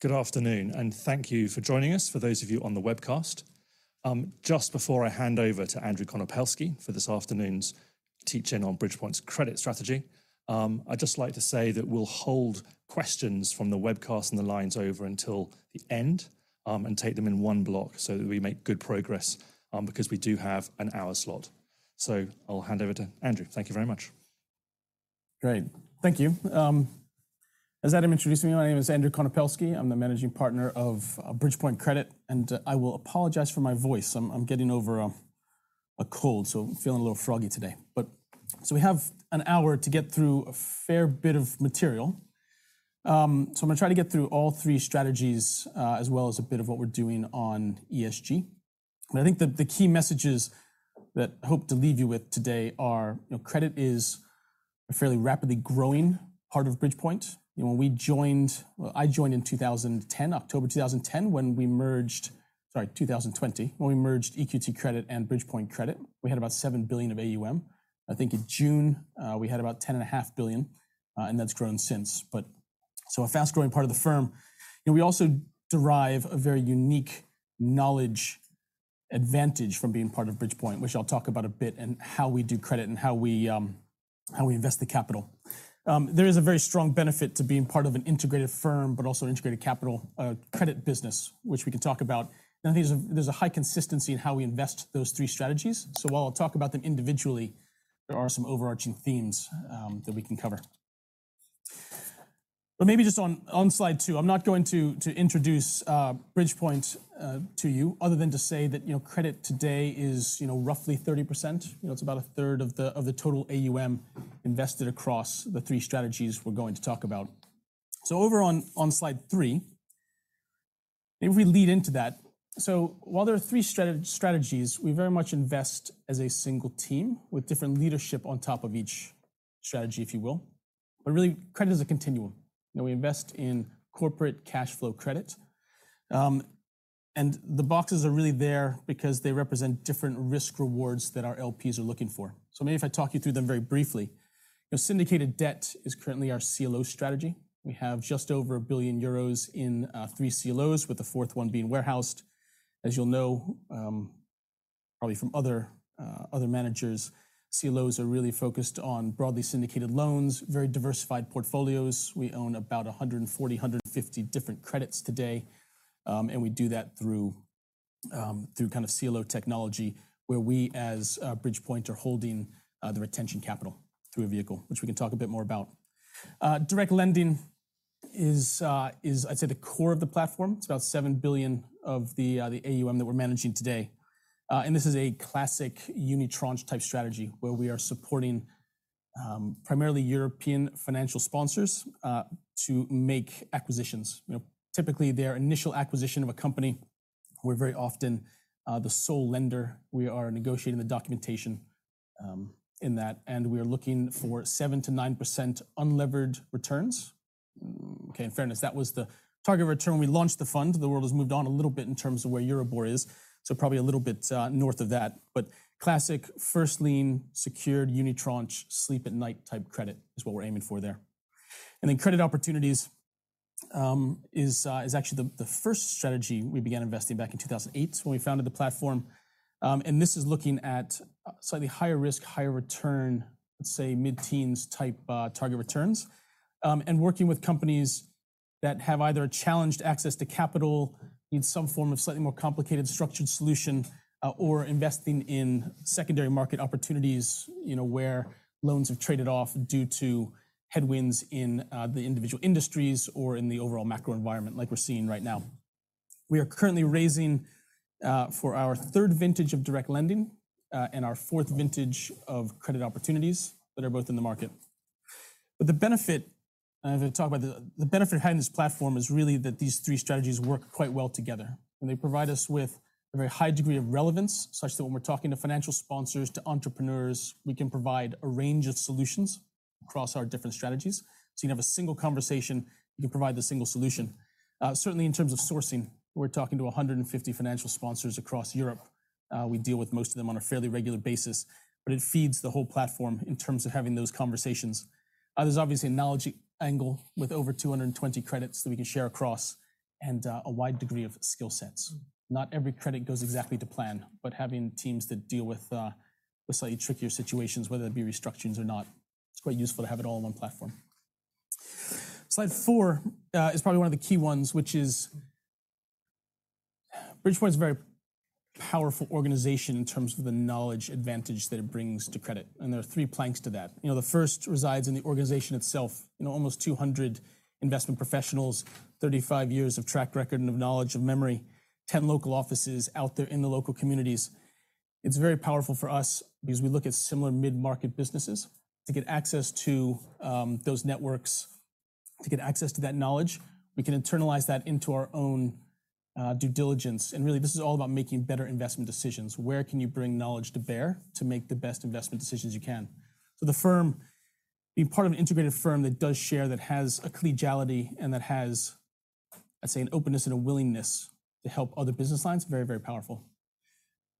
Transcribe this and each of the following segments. Good afternoon. Thank you for joining us, for those of you on the webcast. Just before I hand over to Andrew Konopelski for this afternoon's teach-in on Bridgepoint's credit strategy, I'd just like to say that we'll hold questions from the webcast and the lines over until the end, and take them in one block so that we make good progress, because we do have an hour slot. I'll hand over to Andrew. Thank you very much. Great. Thank you. As Adam introduced me, my name is Andrew Konopelski. I'm the Managing Partner of Bridgepoint Credit. I will apologize for my voice. I'm getting over a cold, so I'm feeling a little froggy today. We have an hour to get through a fair bit of material. I'm gonna try to get through all three strategies, as well as a bit of what we're doing on ESG. I think the key messages that I hope to leave you with today are, you know, credit is a fairly rapidly growing part of Bridgepoint. You know, Well, I joined in 2010, October 2010, when we merged. Sorry, 2020. When we merged EQT Credit and Bridgepoint Credit. We had about 7 billion (Pound Sterling) of AUM. I think in June, we had about 10.5 billion (Pound Sterling) and that's grown since. A fast-growing part of the firm. You know, we also derive a very unique knowledge advantage from being part of Bridgepoint, which I'll talk about a bit, and how we do credit and how we, how we invest the capital. There is a very strong benefit to being part of an integrated firm, but also an integrated capital, credit business, which we can talk about. I think there's a, there's a high consistency in how we invest those three strategies. While I'll talk about them individually, there are some overarching themes, that we can cover. Maybe just on slide two, I'm not going to introduce Bridgepoint to you other than to say that, you know, credit today is, you know, roughly 30%. You know, it's about 1/3 of the total AUM invested across the three strategies we're going to talk about. Over on slide three, maybe we lead into that. While there are three strategies, we very much invest as a single team with different leadership on top of each strategy, if you will. Really, credit is a continuum. You know, we invest in corporate cash flow credit. The boxes are really there because they represent different risk rewards that our LPs are looking for. Maybe if I talk you through them very briefly. You know, Syndicated Debt is currently our CLO strategy. We have just over a billion euros in three CLOs, with the fourth one being warehoused. As you'll know, probably from other managers, CLOs are really focused on broadly syndicated loans, very diversified portfolios. We own about 140-150 different credits today, and we do that through kind of CLO technology, where we, as Bridgepoint, are holding the retention capital through a vehicle, which we can talk a bit more about. Direct Lending is I'd say the core of the platform. It's about 7 billion (Pound Sterling) of the AUM that we're managing today. This is a classic unitranche type strategy where we are supporting primarily European financial sponsors to make acquisitions. You know, typically their initial acquisition of a company, we're very often the sole lender. We are negotiating the documentation in that, and we are looking for 7%-9% unlevered returns. Okay, in fairness, that was the target return when we launched the fund. The world has moved on a little bit in terms of where Euribor is, so probably a little bit north of that. Classic first lien, secured unitranche, sleep at night type credit is what we're aiming for there. Credit opportunities is actually the first strategy we began investing back in 2008 when we founded the platform. This is looking at slightly higher risk, higher return, let's say mid-teens type, target returns, and working with companies that have either challenged access to capital, need some form of slightly more complicated structured solution, or investing in secondary market opportunities, you know, where loans have traded off due to headwinds in the individual industries or in the overall macro environment like we're seeing right now. We are currently raising for our third vintage of Bridgepoint Direct Lending, and our fourth vintage of Credit Opportunities that are both in the market. The benefit, and I'm gonna talk about the benefit of having this platform is really that these three strategies work quite well together, and they provide us with a very high degree of relevance, such that when we're talking to financial sponsors, to entrepreneurs, we can provide a range of solutions across our different strategies. You can have a single conversation, you can provide the single solution. Certainly in terms of sourcing, we're talking to 150 financial sponsors across Europe. We deal with most of them on a fairly regular basis, but it feeds the whole platform in terms of having those conversations. There's obviously a knowledge angle with over 220 credits that we can share across, and a wide degree of skill sets. Not every credit goes exactly to plan, having teams that deal with slightly trickier situations, whether it be restructurings or not, it's quite useful to have it all on one platform. Slide four is probably one of the key ones. Bridgepoint's a very powerful organization in terms of the knowledge advantage that it brings to credit, there are three planks to that. You know, the first resides in the organization itself. You know, almost 200 investment professionals, 35 years of track record and of knowledge and memory, 10 local offices out there in the local communities. It's very powerful for us because we look at similar mid-market businesses to get access to those networks, to get access to that knowledge. We can internalize that into our own due diligence, really this is all about making better investment decisions. Where can you bring knowledge to bear to make the best investment decisions you can? The firm, being part of an integrated firm that does share, that has a collegiality and that has, I'd say, an openness and a willingness to help other business lines, very, very powerful.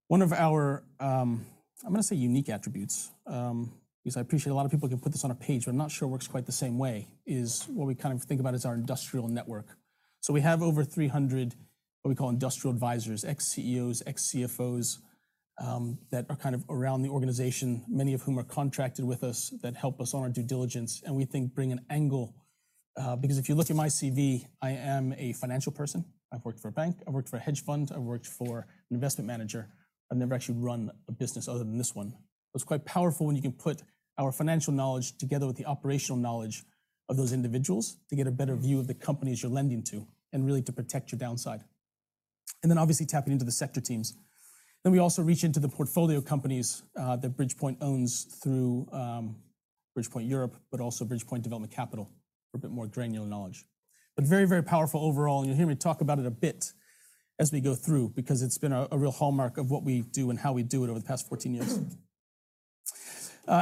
One of our, I'm gonna say unique attributes, because I appreciate a lot of people can put this on a page, but I'm not sure it works quite the same way, is what we kind of think about as our industrial network. We have over 300, what we call industrial advisors, ex-CEOs, ex-CFOs, that are kind of around the organization, many of whom are contracted with us that help us on our due diligence and we think bring an angle. Because if you look at my CV, I am a financial person. I've worked for a bank, I've worked for a hedge fund, I've worked for an investment manager. I've never actually run a business other than this one. It's quite powerful when you can put our financial knowledge together with the operational knowledge of those individuals to get a better view of the companies you're lending to and really to protect your downside. Obviously tapping into the sector teams. We also reach into the portfolio companies that Bridgepoint owns through Bridgepoint Europe, but also Bridgepoint Development Capital for a bit more granular knowledge. Very, very powerful overall, and you'll hear me talk about it a bit as we go through because it's been a real hallmark of what we do and how we do it over the past 14 years.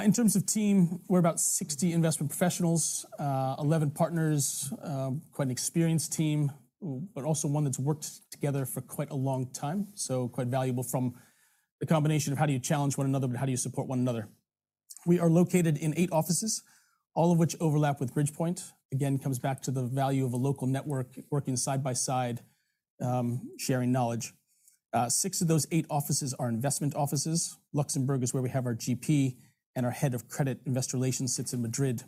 In terms of team, we're about 60 investment professionals, 11 partners, quite an experienced team, but also one that's worked together for quite a long time. Quite valuable from the combination of how do you challenge one another, but how do you support one another? We are located in eight offices, all of which overlap with Bridgepoint. Again, comes back to the value of a local network working side by side, sharing knowledge. Six of those eight offices are investment offices. Luxembourg is where we have our GP and our Head of Credit Investor Relations sits in Madrid.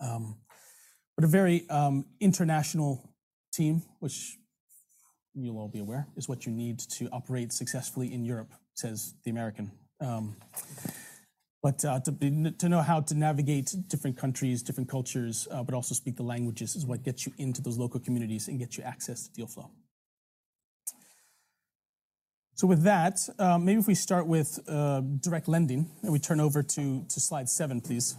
But a very international team, which you'll all be aware is what you need to operate successfully in Europe, says the American. To know how to navigate different countries, different cultures, but also speak the languages is what gets you into those local communities and gets you access to deal flow. With that, maybe if we start with Direct Lending, and we turn over to slide seven, please.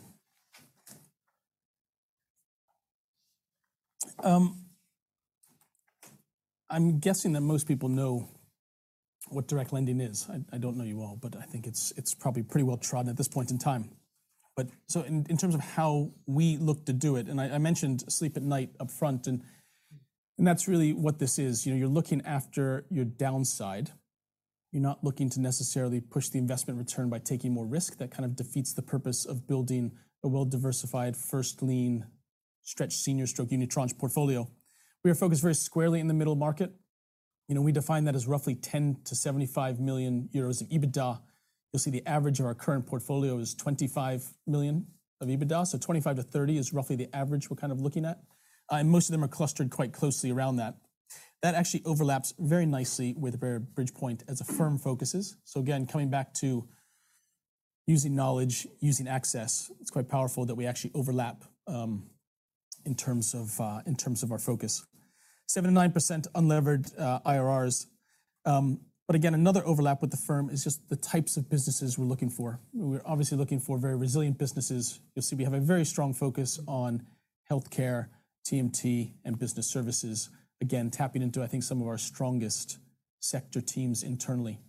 I'm guessing that most people know what Direct Lending is. I don't know you all, but I think it's probably pretty well trodden at this point in time. In terms of how we look to do it, and I mentioned sleep at night up front and that's really what this is. You know, you're looking after your downside. You're not looking to necessarily push the investment return by taking more risk. That kind of defeats the purpose of building a well-diversified first lien stretch senior stroke unitranche portfolio. We are focused very squarely in the middle market. You know, we define that as roughly 10 million (European Euro)- 75 million euros (European Euro) of EBITDA. You'll see the average of our current portfolio is 25 million (European Euro) of EBITDA, so 25 million (European Euro)-EUR 30 million (European Euro) of EBITDA is roughly the average we're kind of looking at. Most of them are clustered quite closely around that. That actually overlaps very nicely with where Bridgepoint as a firm focuses. Again, coming back to using knowledge, using access, it's quite powerful that we actually overlap in terms of our focus. 7%-9% unlevered IRRs. Again, another overlap with the firm is just the types of businesses we're looking for. We're obviously looking for very resilient businesses. You'll see we have a very strong focus on healthcare, TMT, and business services, again, tapping into, I think, some of our strongest sector teams internally.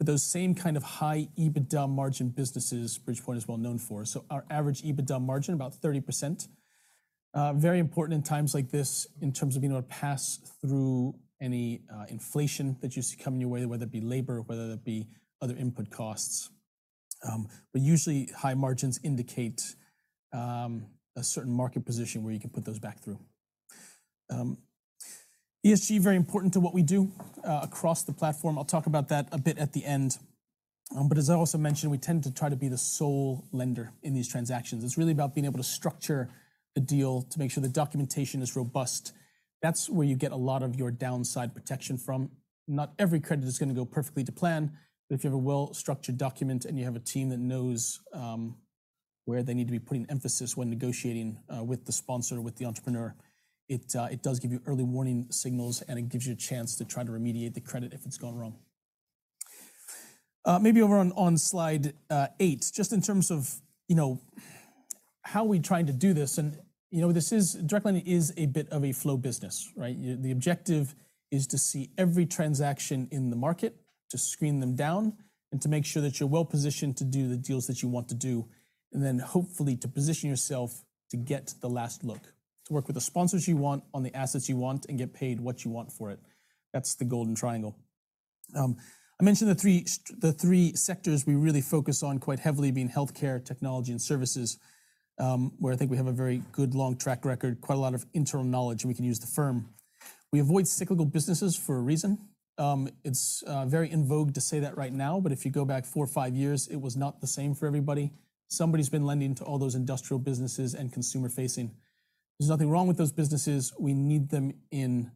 Those same kind of high EBITDA margin businesses Bridgepoint is well known for. Our average EBITDA margin, about 30%. Very important in times like this in terms of being able to pass through any inflation that you see coming your way, whether it be labor, whether it be other input costs. Usually high margins indicate a certain market position where you can put those back through. ESG, very important to what we do across the platform. I'll talk about that a bit at the end. As I also mentioned, we tend to try to be the sole lender in these transactions. It's really about being able to structure a deal to make sure the documentation is robust. That's where you get a lot of your downside protection from. Not every credit is gonna go perfectly to plan, but if you have a well-structured document and you have a team that knows where they need to be putting emphasis when negotiating with the sponsor, with the entrepreneur, it does give you early warning signals and it gives you a chance to try to remediate the credit if it's gone wrong. Maybe over on slide eight, just in terms of, you know, how we're trying to do this and, you know, Direct Lending is a bit of a flow business, right? The objective is to see every transaction in the market, to screen them down, and to make sure that you're well-positioned to do the deals that you want to do, and then hopefully to position yourself to get the last look. To work with the sponsors you want on the assets you want and get paid what you want for it. That's the golden triangle. I mentioned the three sectors we really focus on quite heavily being healthcare, technology, and services, where I think we have a very good long track record, quite a lot of internal knowledge we can use the firm. We avoid cyclical businesses for a reason. It's very in vogue to say that right now, but if you go back four or five years, it was not the same for everybody. Somebody's been lending to all those industrial businesses and consumer-facing. There's nothing wrong with those businesses. We need them in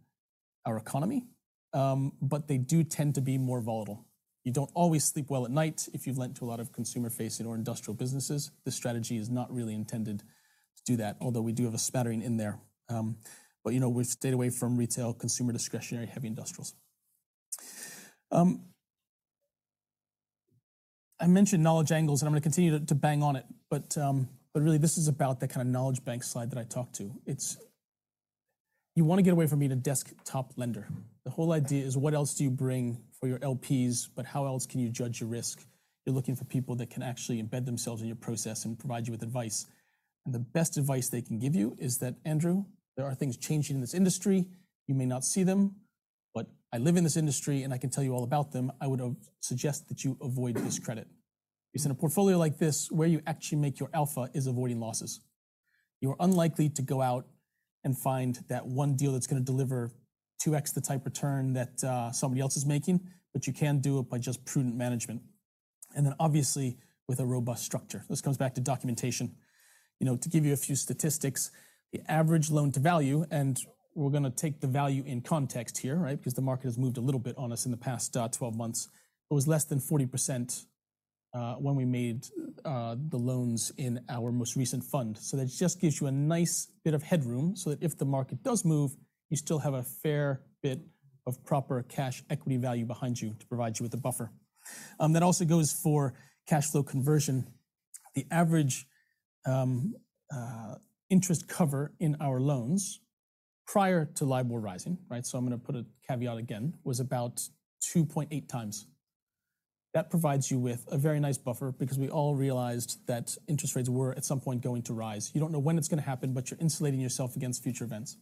our economy, but they do tend to be more volatile. You don't always sleep well at night if you've lent to a lot of consumer-facing or industrial businesses. This strategy is not really intended to do that, although we do have a smattering in there. You know, we've stayed away from retail, consumer discretionary, heavy industrials. I mentioned knowledge angles, and I'm gonna continue to bang on it. Really this is about the kind of knowledge bank slide that I talked to. You wanna get away from being a desktop lender. The whole idea is what else do you bring for your LPs, but how else can you judge your risk? You're looking for people that can actually embed themselves in your process and provide you with advice. The best advice they can give you is that, "Andrew, there are things changing in this industry. You may not see them, but I live in this industry, and I can tell you all about them. I would suggest that you avoid this credit." In a portfolio like this, where you actually make your alpha is avoiding losses. You are unlikely to go out and find that one deal that's gonna deliver 2x the type return that somebody else is making, but you can do it by just prudent management. Obviously, with a robust structure. This comes back to documentation. You know, to give you a few statistics, the average loan to value, and we're gonna take the value in context here, right? The market has moved a little bit on us in the past 12 months. It was less than 40% when we made the loans in our most recent fund. That just gives you a nice bit of headroom so that if the market does move, you still have a fair bit of proper cash equity value behind you to provide you with a buffer. That also goes for cash flow conversion. The average interest cover in our loans prior to LIBOR rising, right, I'm gonna put a caveat again, was about 2.8x. That provides you with a very nice buffer because we all realized that interest rates were at some point going to rise. You don't know when it's gonna happen, you're insulating yourself against future events.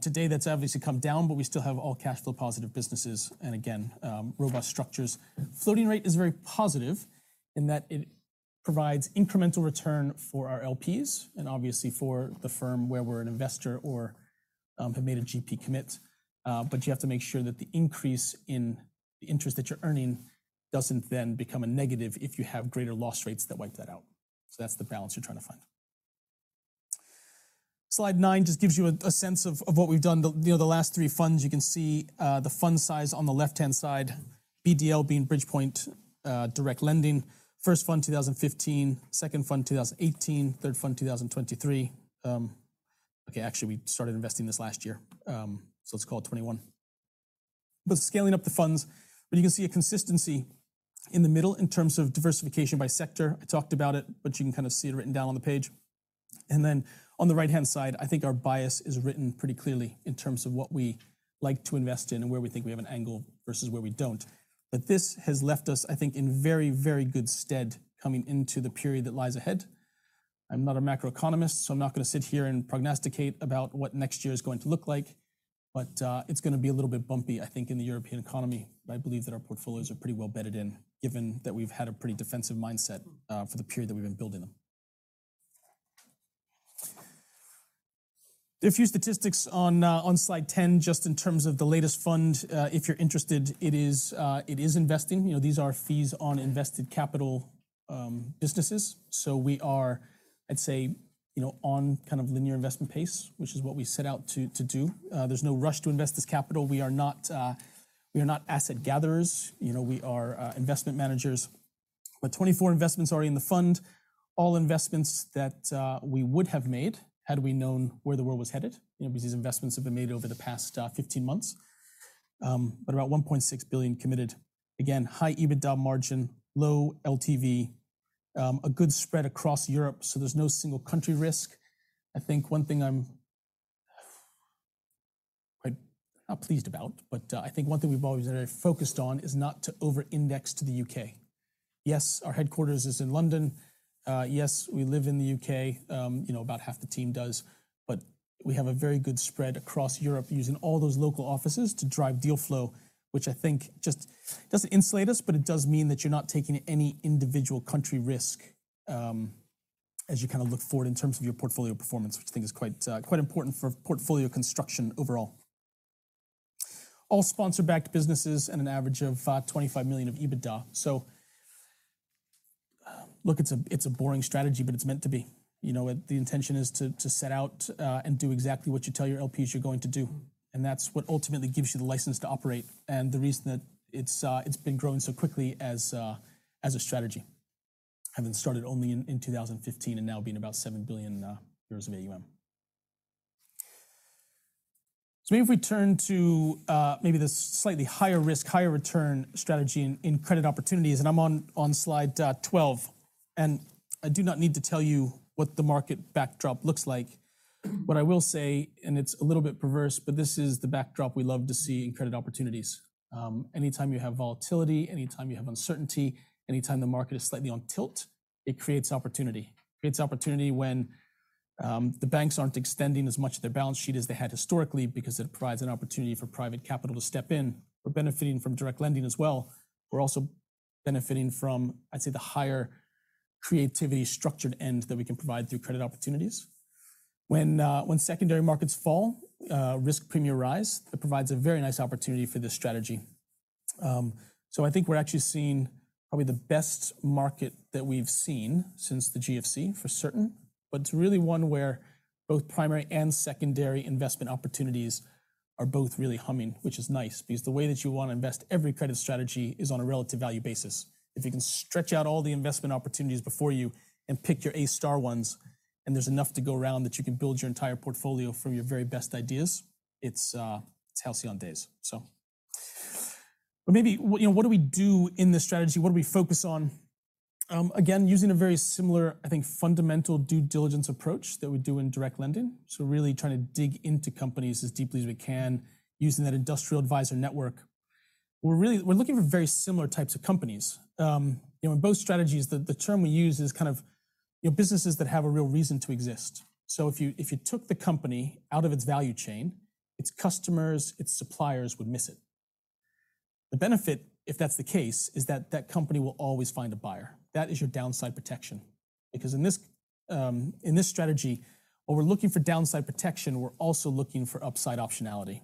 Today, that's obviously come down, we still have all cash flow positive businesses and again, robust structures. Floating rate is very positive in that it provides incremental return for our LPs and obviously for the firm where we're an investor or, have made a GP commit. You have to make sure that the increase in the interest that you're earning doesn't then become a negative if you have greater loss rates that wipe that out. That's the balance you're trying to find. Slide nine just gives you a sense of what we've done the, you know, the last three funds. You can see the fund size on the left-hand side, BDL being Bridgepoint Direct Lending. First fund, 2015, second fund, 2018, third fund, 2023. Okay, actually, we started investing this last year, so let's call it 21. Scaling up the funds, but you can see a consistency in the middle in terms of diversification by sector. I talked about it, but you can kind of see it written down on the page. Then on the right-hand side, I think our bias is written pretty clearly in terms of what we like to invest in and where we think we have an angle versus where we don't. This has left us, I think, in very, very good stead coming into the period that lies ahead. I'm not a macroeconomist, so I'm not gonna sit here and prognosticate about what next year is going to look like, but it's gonna be a little bit bumpy, I think, in the European economy. I believe that our portfolios are pretty well bedded in given that we've had a pretty defensive mindset for the period that we've been building them. There are a few statistics on slide 10 just in terms of the latest fund. If you're interested, it is investing. You know, these are fees on invested capital businesses. We are, I'd say, you know, on kind of linear investment pace, which is what we set out to do. There's no rush to invest this capital. We are not asset gatherers. You know, we are investment managers. 24 investments already in the fund, all investments that we would have made had we known where the world was headed, you know, because these investments have been made over the past 15 months. About 1.6 billion (Pound Sterling) committed. Again, high EBITDA margin, low LTV, a good spread across Europe, so there's no single country risk. I think one thing I'm quite, not pleased about, but I think one thing we've always been very focused on is not to over-index to the UK. Yes, our headquarters is in London. Yes, we live in the UK, you know, about half the team does. We have a very good spread across Europe using all those local offices to drive deal flow, which I think just doesn't insulate us, but it does mean that you're not taking any individual country risk, as you kinda look forward in terms of your portfolio performance, which I think is quite important for portfolio construction overall. All sponsor-backed businesses and an average of 25 million (Pound Sterling) of EBITDA. Look, it's a boring strategy, but it's meant to be. You know what? The intention is to set out and do exactly what you tell your LPs you're going to do, and that's what ultimately gives you the license to operate and the reason that it's been growing so quickly as a strategy, having started only in 2015 and now being about 7 billion euros (European Euro) of AUM. Maybe if we turn to maybe the slightly higher risk, higher return strategy in Credit Opportunities, and I'm on slide 12. I do not need to tell you what the market backdrop looks like. What I will say, and it's a little bit perverse, but this is the backdrop we love to see in Credit Opportunities. Anytime you have volatility, anytime you have uncertainty, anytime the market is slightly on tilt, it creates opportunity. Creates opportunity when the banks aren't extending as much of their balance sheet as they had historically because it provides an opportunity for private capital to step in. We're benefiting from Direct Lending as well. We're also benefiting from, I'd say, the higher creativity structured end that we can provide through Credit Opportunities. When secondary markets fall, risk premium rise, it provides a very nice opportunity for this strategy. I think we're actually seeing probably the best market that we've seen since the GFC for certain. But it's really one where both primary and secondary investment opportunities are both really humming, which is nice because the way that you wanna invest every credit strategy is on a relative value basis. If you can stretch out all the investment opportunities before you and pick your A-star ones, and there's enough to go around that you can build your entire portfolio from your very best ideas, it's halcyon days. Maybe, you know, what do we do in this strategy? What do we focus on? Again, using a very similar, I think, fundamental due diligence approach that we do in Direct Lending. Really trying to dig into companies as deeply as we can using that industrial advisor network. We're looking for very similar types of companies. You know, in both strategies, the term we use is kind of, you know, businesses that have a real reason to exist. If you, if you took the company out of its value chain, its customers, its suppliers would miss it. The benefit, if that's the case, is that that company will always find a buyer. That is your downside protection, because in this, in this strategy, while we're looking for downside protection, we're also looking for upside optionality.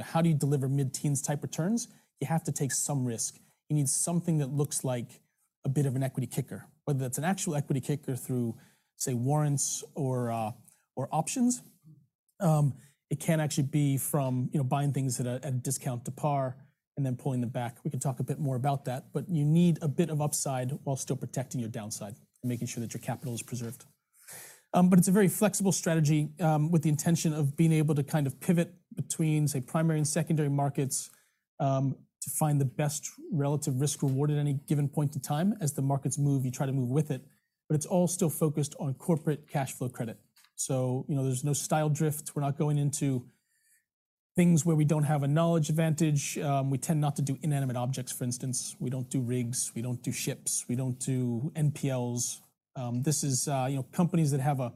How do you deliver mid-teens type returns? You have to take some risk. You need something that looks like a bit of an equity kicker, whether that's an actual equity kicker through, say, warrants or options. It can actually be from, you know, buying things at a, at a discount to par and then pulling them back. We can talk a bit more about that, but you need a bit of upside while still protecting your downside and making sure that your capital is preserved. It's a very flexible strategy, with the intention of being able to kind of pivot between, say, primary and secondary markets, to find the best relative risk reward at any given point in time. As the markets move, you try to move with it, but it's all still focused on corporate cash flow credit. You know, there's no style drift. We're not going into things where we don't have a knowledge advantage. We tend not to do inanimate objects, for instance. We don't do rigs, we don't do ships, we don't do NPLs. This is, you know, companies that have a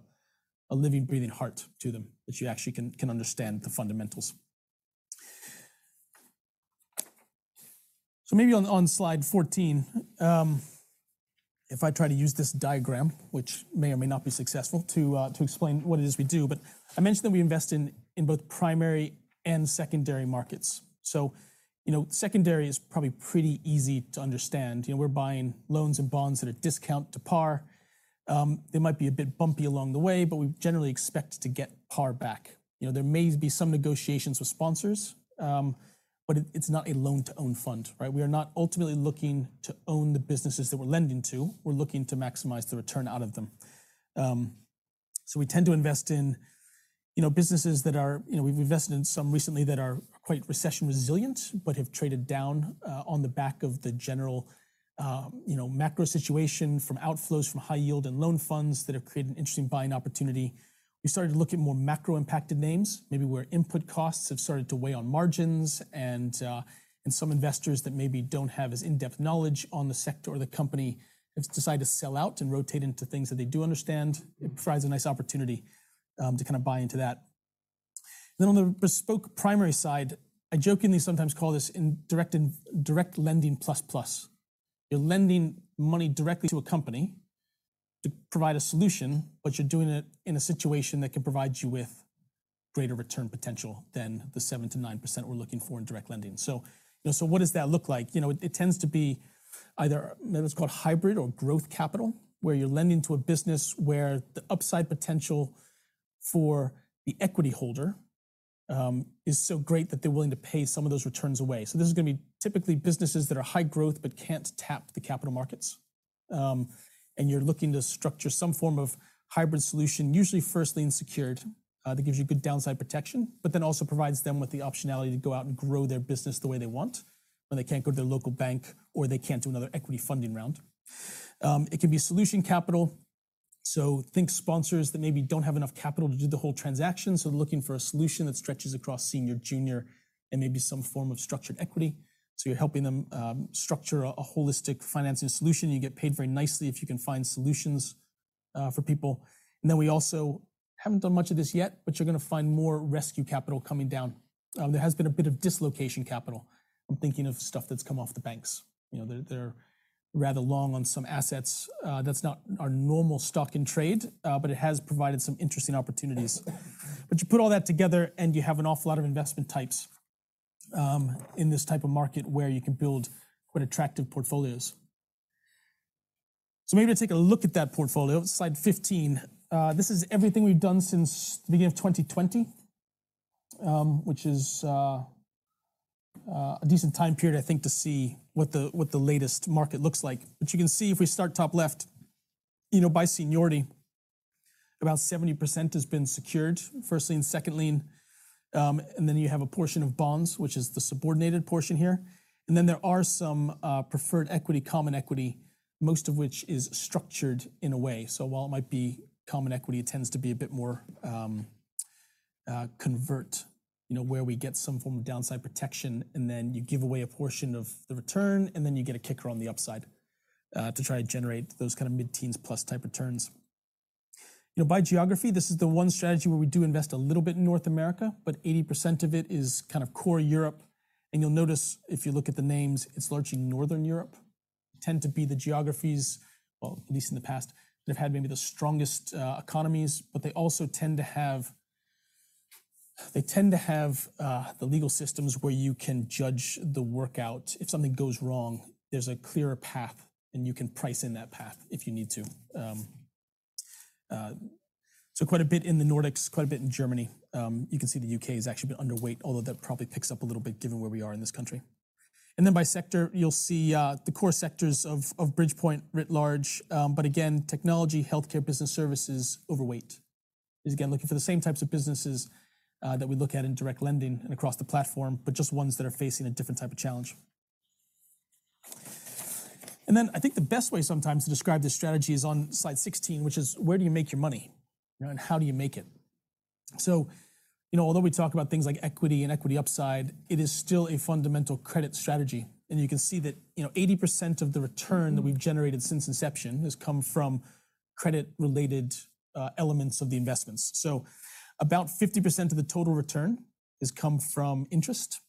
living, breathing heart to them that you actually can understand the fundamentals. Maybe on slide 14, if I try to use this diagram, which may or may not be successful, to explain what it is we do, but I mentioned that we invest in both primary and secondary markets. You know, secondary is probably pretty easy to understand. You know, we're buying loans and bonds at a discount to par. They might be a bit bumpy along the way, but we generally expect to get par back. You know, there may be some negotiations with sponsors, but it's not a loan to own fund, right? We are not ultimately looking to own the businesses that we're lending to. We're looking to maximize the return out of them. We tend to invest in, you know, businesses that are, you know, we've invested in some recently that are quite recession resilient, but have traded down, on the back of the general, you know, macro situation from outflows from high yield and loan funds that have created an interesting buying opportunity. We started to look at more macro-impacted names, maybe where input costs have started to weigh on margins and some investors that maybe don't have as in-depth knowledge on the sector or the company have decided to sell out and rotate into things that they do understand. It provides a nice opportunity, to kind of buy into that. On the bespoke primary side, I jokingly sometimes call this Direct Lending plus plus. You're lending money directly to a company to provide a solution, but you're doing it in a situation that can provide you with greater return potential than the 7%-9% we're looking for in Direct Lending. You know, so what does that look like? You know, it tends to be either maybe what's called hybrid or growth capital, where you're lending to a business where the upside potential for the equity holder is so great that they're willing to pay some of those returns away. This is gonna be typically businesses that are high growth but can't tap the capital markets, and you're looking to structure some form of hybrid solution, usually firstly and secured, that gives you good downside protection, but then also provides them with the optionality to go out and grow their business the way they want when they can't go to their local bank or they can't do another equity funding round. It can be solution capital. Think sponsors that maybe don't have enough capital to do the whole transaction, so they're looking for a solution that stretches across senior, junior, and maybe some form of structured equity. You're helping them structure a holistic financing solution. You get paid very nicely if you can find solutions for people. We also haven't done much of this yet, but you're gonna find more rescue capital coming down. There has been a bit of dislocation capital. I'm thinking of stuff that's come off the banks. You know, they're rather long on some assets. That's not our normal stock in trade, but it has provided some interesting opportunities. You put all that together, and you have an awful lot of investment types, in this type of market where you can build quite attractive portfolios. Maybe to take a look at that portfolio. Slide 15. This is everything we've done since the beginning of 2020, which is a decent time period, I think, to see what the latest market looks like. You can see if we start top left, you know, by seniority, about 70% has been secured, first lien, second lien, and then you have a portion of bonds, which is the subordinated portion here, and then there are some preferred equity, common equity, most of which is structured in a way. While it might be common equity, it tends to be a bit more convert, you know, where we get some form of downside protection, and then you give away a portion of the return, and then you get a kicker on the upside to try to generate those kind of mid-teens plus type returns. You know, by geography, this is the one strategy where we do invest a little bit in North America, but 80% of it is kind of core Europe. You'll notice if you look at the names, it's largely Northern Europe. Tend to be the geographies, well, at least in the past, that have had maybe the strongest economies, but they also tend to have the legal systems where you can judge the workout. If something goes wrong, there's a clearer path, and you can price in that path if you need to. So quite a bit in the Nordics, quite a bit in Germany. You can see the UK is actually a bit underweight, although that probably picks up a little bit given where we are in this country. By sector, you'll see the core sectors of Bridgepoint writ large. Again, technology, healthcare, business services, overweight. Looking for the same types of businesses that we look at in Direct Lending and across the platform, just ones that are facing a different type of challenge. I think the best way sometimes to describe this strategy is on slide 16, which is where do you make your money? You know, how do you make it? You know, although we talk about things like equity and equity upside, it is still a fundamental credit strategy. You can see that, you know, 80% of the return that we've generated since inception has come from credit-related elements of the investments. About 50% of the total return has come from interest,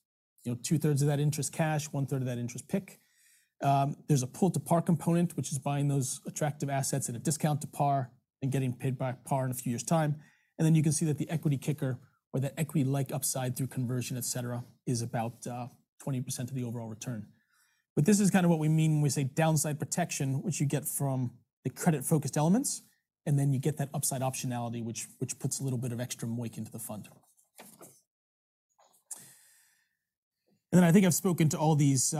you know, 2/3 of that interest cash, 1/3 of that interest PIK. There's a pull-to-par component, which is buying those attractive assets at a discount to par and getting paid back par in a few years' time. Then you can see that the equity kicker or the equity-like upside through conversion, et cetera, is about 20% of the overall return. This is kinda what we mean when we say downside protection, which you get from the credit-focused elements, and then you get that upside optionality which puts a little bit of extra MOIC into the fund. I think I've spoken to all these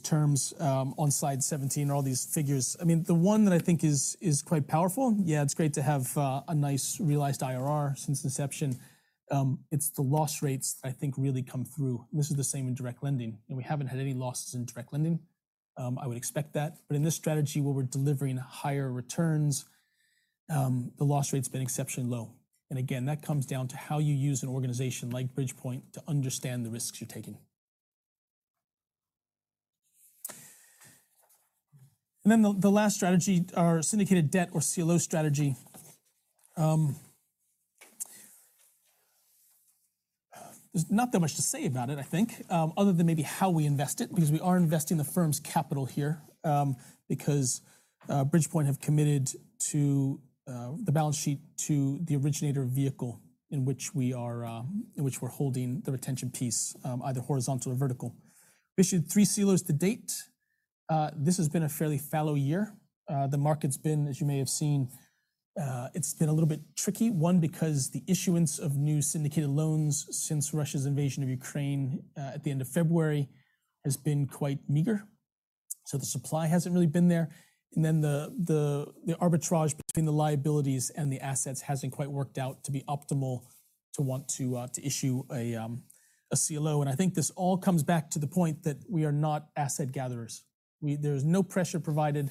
terms on slide 17, all these figures. I mean, the one that I think is quite powerful. Yeah, it's great to have a nice realized IRR since inception. It's the loss rates I think really come through. This is the same in Direct Lending. We haven't had any losses in Direct Lending. I would expect that. In this strategy where we're delivering higher returns, the loss rate's been exceptionally low. Again, that comes down to how you use an organization like Bridgepoint to understand the risks you're taking. The last strategy, our Syndicated Debt or CLO strategy, there's not that much to say about it, I think, other than maybe how we invest it, because we are investing the firm's capital here, because Bridgepoint have committed to the balance sheet to the originator vehicle in which we are, in which we're holding the retention piece, either horizontal or vertical. Issued three CLOs to date. This has been a fairly fallow year. The market's been, as you may have seen, it's been a little tricky. One, because the issuance of new syndicated loans since Russia's invasion of Ukraine, at the end of February has been quite meager, so the supply hasn't really been there. The arbitrage between the liabilities and the assets hasn't quite worked out to be optimal to want to issue a CLO. I think this all comes back to the point that we are not asset gatherers. We There's no pressure provided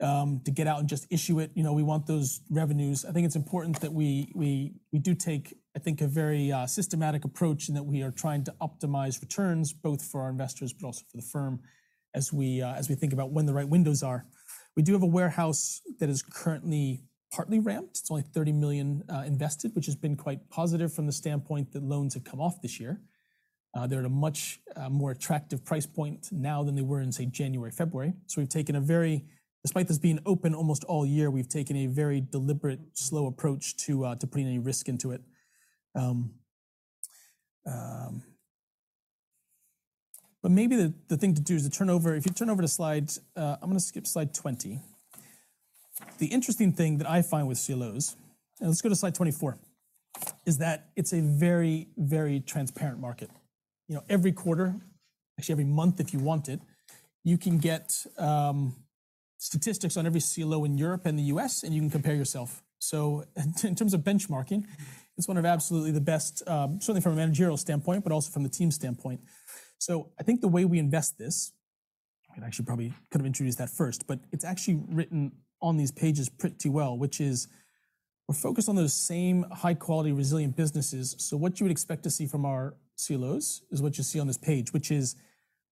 to get out and just issue it. You know, we want those revenues. I think it's important that we do take, I think, a very systematic approach in that we are trying to optimize returns both for our investors but also for the firm as we think about when the right windows are. We do have a warehouse that is currently partly ramped. It's only 30 million (Pound Sterling) invested, which has been quite positive from the standpoint that loans have come off this year. They're at a much more attractive price point now than they were in, say, January, February. We've taken a very deliberate slow approach to putting any risk into it. Maybe the thing to do is to turn over to slide, I'm gonna skip to slide 20. The interesting thing that I find with CLOs, and let's go to slide 24, is that it's a very, very transparent market. You know, every quarter, actually every month if you wanted, you can get statistics on every CLO in Europe and the U.S., and you can compare yourself. In, in terms of benchmarking, it's one of absolutely the best, certainly from a managerial standpoint, but also from the team standpoint. I think the way we invest this, I actually probably could have introduced that first, but it's actually written on these pages pretty well, which is we're focused on those same high-quality, resilient businesses. What you would expect to see from our CLOs is what you see on this page, which is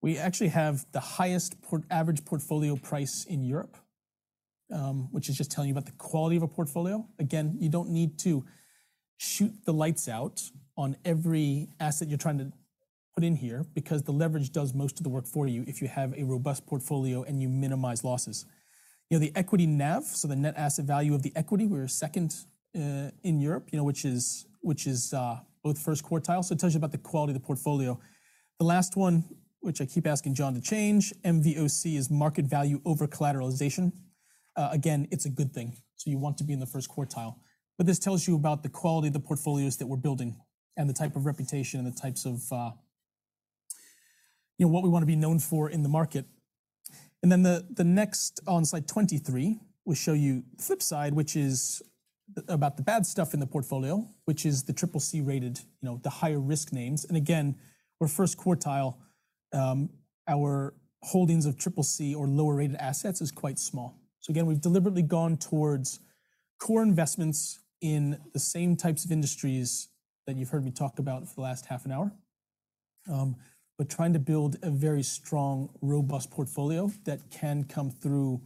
we actually have the highest average portfolio price in Europe, which is just telling you about the quality of a portfolio. Again, you don't need to shoot the lights out on every asset you're trying to put in here because the leverage does most of the work for you if you have a robust portfolio and you minimize losses. You know, the equity NAV, so the net asset value of the equity, we're second in Europe, you know, which is both first quartile. It tells you about the quality of the portfolio. The last one, which I keep asking John to change, MVOC, is market value over collateralization. Again, it's a good thing. You want to be in the first quartile. This tells you about the quality of the portfolios that we're building and the type of reputation and the types of, you know, what we wanna be known for in the market. The next on slide 23 will show you flip side, which is about the bad stuff in the portfolio, which is the CCC-rated, you know, the higher-risk names. Again, we're first quartile. Our holdings of CCC or lower-rated assets is quite small. Again, we've deliberately gone towards core investments in the same types of industries that you've heard me talk about for the last half an hour. Trying to build a very strong, robust portfolio that can come through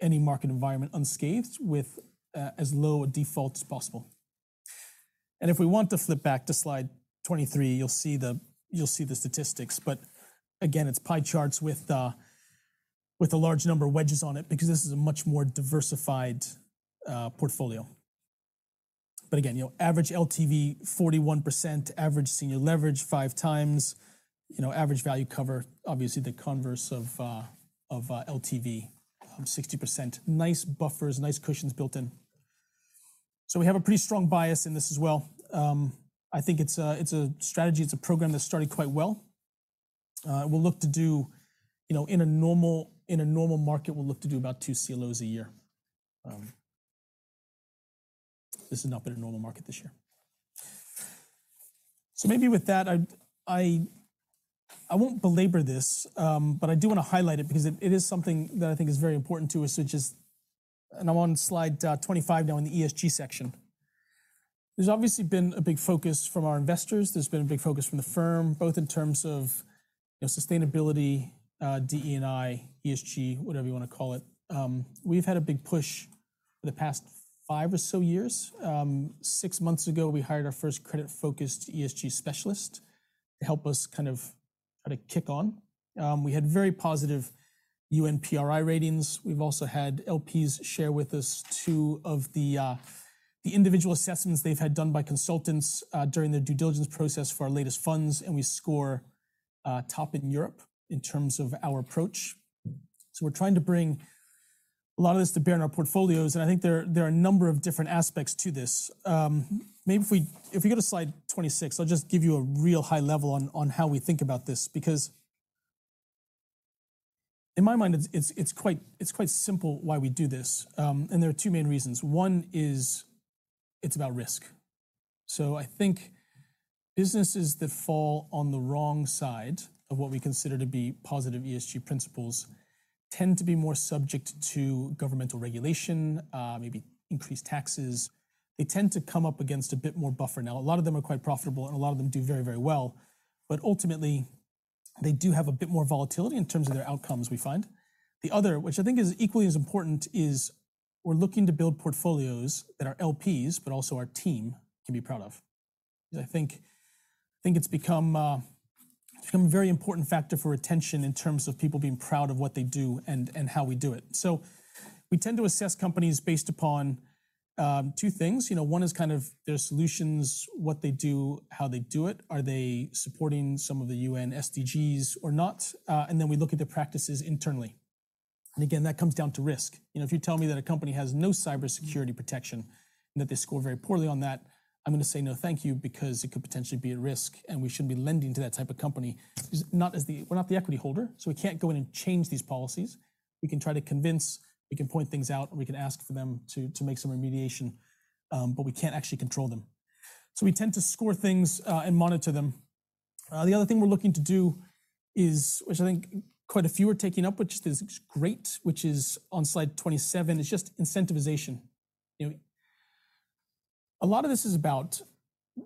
any market environment unscathed with as low a default as possible. If we want to flip back to slide 23, you'll see the statistics. Again, it's pie charts with a large number of wedges on it because this is a much more diversified portfolio. Again, you know, average LTV 41%, average senior leverage 5x, you know, average value cover, obviously the converse of LTV, 60%. Nice buffers, nice cushions built in. We have a pretty strong bias in this as well. I think it's a strategy, it's a program that's started quite well. We'll look to do, you know, in a normal market, we'll look to do about two CLOs a year. This has not been a normal market this year. Maybe with that, I won't belabor this, but I do wanna highlight it because it is something that I think is very important to us, which is. I'm on slide 25 now in the ESG section. There's obviously been a big focus from our investors, there's been a big focus from the firm, both in terms of, you know, sustainability, DE&I, ESG, whatever you wanna call it. We've had a big push for the past five or so years. Six months ago, we hired our first credit-focused ESG specialist to help us kind of kick on. We had very positive UNPRI ratings. We've also had LPs share with us two of the individual assessments they've had done by consultants during their due diligence process for our latest funds. We score top in Europe in terms of our approach. We're trying to bring a lot of this to bear in our portfolios. I think there are a number of different aspects to this. Maybe if we go to slide 26, I'll just give you a real high level on how we think about this. In my mind, it's quite simple why we do this. There are two main reasons. One is, it's about risk. I think businesses that fall on the wrong side of what we consider to be positive ESG principles tend to be more subject to governmental regulation, maybe increased taxes. They tend to come up against a bit more buffer. A lot of them are quite profitable, and a lot of them do very, very well, but ultimately, they do have a bit more volatility in terms of their outcomes, we find. The other, which I think is equally as important, is we're looking to build portfolios that our LPs, but also our team, can be proud of. 'Cause I think it's become a very important factor for retention in terms of people being proud of what they do and how we do it. We tend to assess companies based upon, two things. You know, one is kind of their solutions, what they do, how they do it. Are they supporting some of the UN SDGs or not? Then we look at their practices internally. Again, that comes down to risk. You know, if you tell me that a company has no cybersecurity protection and that they score very poorly on that, I'm gonna say, "No, thank you," because it could potentially be a risk, and we shouldn't be lending to that type of company. We're not the equity holder, so we can't go in and change these policies. We can try to convince, we can point things out, and we can ask for them to make some remediation, but we can't actually control them. We tend to score things and monitor them. The other thing we're looking to do is, which I think quite a few are taking up, which is great, which is on slide 27, is just incentivization. You know, a lot of this is about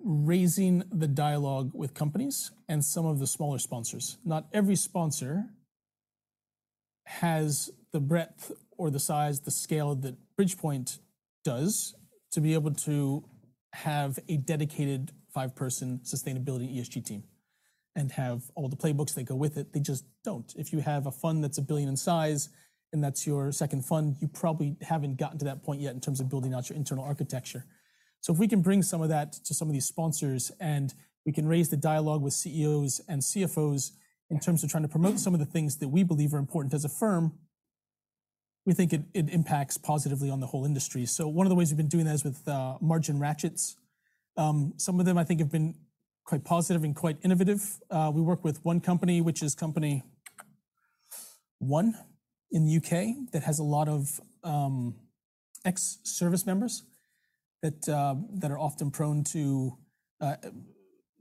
raising the dialogue with companies and some of the smaller sponsors. Not every sponsor has the breadth or the size, the scale that Bridgepoint does, to be able to have a dedicated five-person sustainability ESG team, and have all the playbooks that go with it. They just don't. If you have a fund that's a billion in size, and that's your second fund, you probably haven't gotten to that point yet in terms of building out your internal architecture. If we can bring some of that to some of these sponsors, we can raise the dialogue with CEOs and CFOs in terms of trying to promote some of the things that we believe are important as a firm, we think it impacts positively on the whole industry. One of the ways we've been doing that is with margin ratchets. Some of them I think have been quite positive and quite innovative. We work with one company, which is company one in the U.K., that has a lot of ex-service members that are often prone to, you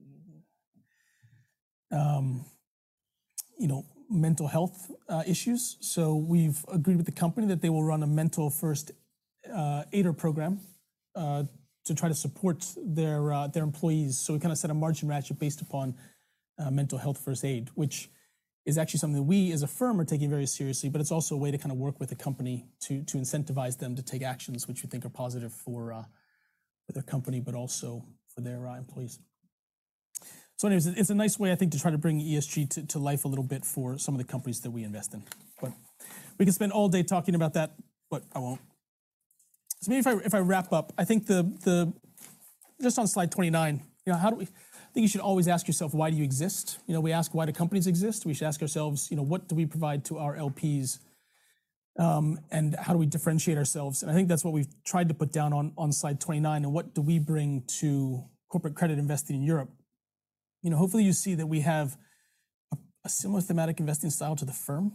know, mental health issues. We've agreed with the company that they will run a Mental First Aider program to try to support their employees. We kinda set a margin ratchet based upon, Mental Health First Aid, which is actually something that we as a firm are taking very seriously, but it's also a way to kinda work with the company to incentivize them to take actions which we think are positive for their company, but also for their employees. Anyways, it's a nice way, I think, to try to bring ESG to life a little bit for some of the companies that we invest in. We could spend all day talking about that, I won't. Maybe if I, if I wrap up, I think. Just on slide 29, you know, I think you should always ask yourself, "Why do you exist?" You know, we ask why do companies exist. We should ask ourselves, you know, what do we provide to our LPs, and how do we differentiate ourselves? I think that's what we've tried to put down on slide 29, what do we bring to corporate credit investing in Europe? You know, hopefully you see that we have a similar thematic investing style to the firm.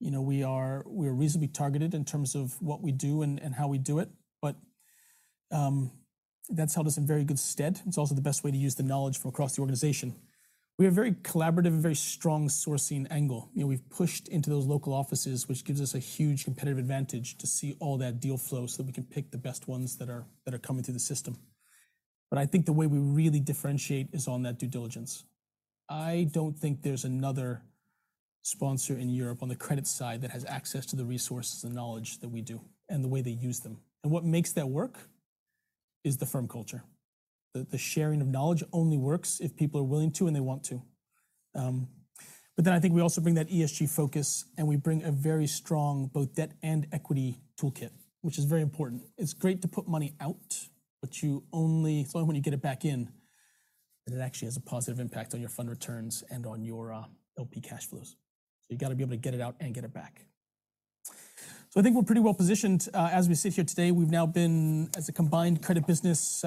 You know, we're reasonably targeted in terms of what we do and how we do it. That's held us in very good stead. It's also the best way to use the knowledge from across the organization. We have a very collaborative and very strong sourcing angle. You know, we've pushed into those local offices, which gives us a huge competitive advantage to see all that deal flow so that we can pick the best ones that are coming through the system. I think the way we really differentiate is on that due diligence. I don't think there's another sponsor in Europe on the credit side that has access to the resources and knowledge that we do, and the way they use them. What makes that work is the firm culture. The sharing of knowledge only works if people are willing to and they want to. I think we also bring that ESG focus, and we bring a very strong both debt and equity toolkit, which is very important. It's great to put money out, but It's only when you get it back in that it actually has a positive impact on your fund returns and on your LP cash flows. You gotta be able to get it out and get it back. I think we're pretty well positioned as we sit here today. We've now been, as a combined credit business,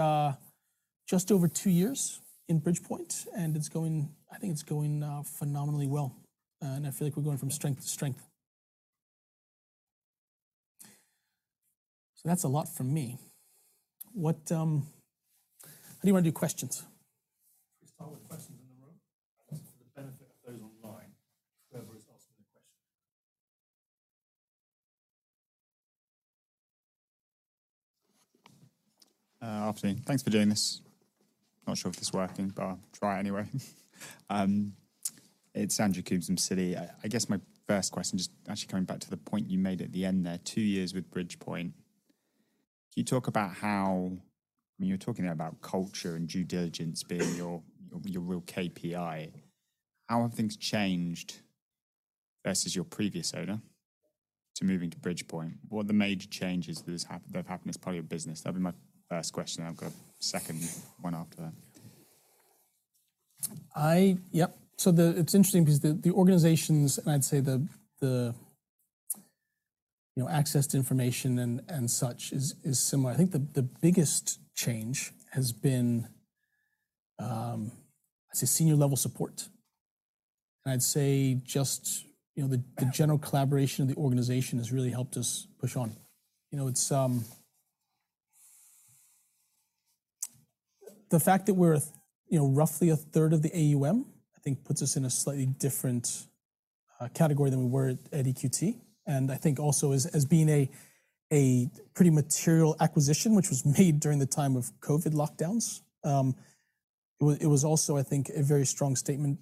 just over two years in Bridgepoint, and it's going, I think it's going phenomenally well, and I feel like we're going from strength to strength. That's a lot from me. What, how do you wanna do questions? Can we start with questions in the room for the benefit of those online, whoever is asking the question. Afternoon. Thanks for doing this. Not sure if this is working, but I'll try anyway. It's Andrew Coombs from Citi. I guess my first question, just actually coming back to the point you made at the end there, two years with Bridgepoint. I mean, you were talking there about culture and due diligence being your real KPI. How have things changed versus your previous owner to moving to Bridgepoint? What are the major changes that have happened as part of your business? That'd be my first question. I've got a second one after that. Yep. It's interesting because the organizations, and I'd say the, you know, access to information and such is similar. I think the biggest change has been, I'd say senior level support. I'd say just, you know, the general collaboration of the organization has really helped us push on. You know, it's the fact that we're, you know, roughly 1/3 of the AUM, I think puts us in a slightly different category than we were at EQT. I think also as being a pretty material acquisition, which was made during the time of COVID lockdowns, it was also, I think, a very strong statement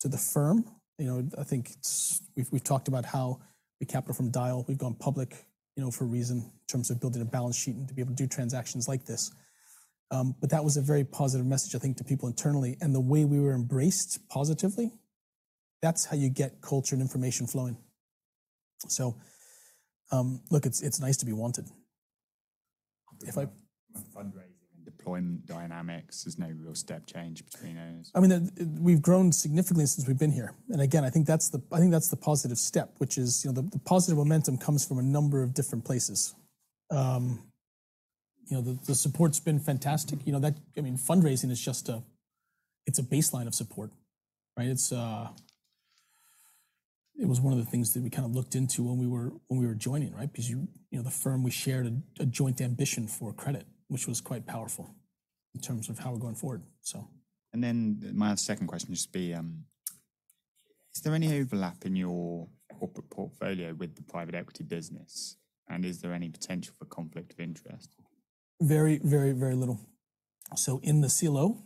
to the firm. You know, I think it's. We've talked about how we capital from dial. We've gone public, you know, for a reason in terms of building a balance sheet and to be able to do transactions like this. That was a very positive message, I think, to people internally. The way we were embraced positively, that's how you get culture and information flowing. Look, it's nice to be wanted. Fundraising and deployment dynamics, there's no real step change between those. I mean, the, we've grown significantly since we've been here. And again, I think that's the positive step, which is, you know, the positive momentum comes from a number of different places. You know, the support's been fantastic. You know, I mean, fundraising is just a, it's a baseline of support, right? It was one of the things that we kind of looked into when we were, when we were joining, right? You know, the firm, we shared a joint ambition for credit, which was quite powerful in terms of how we're going forward, so. My second question would just be, is there any overlap in your corporate portfolio with the private equity business? Is there any potential for conflict of interest? Very, very, very little. In the CLO,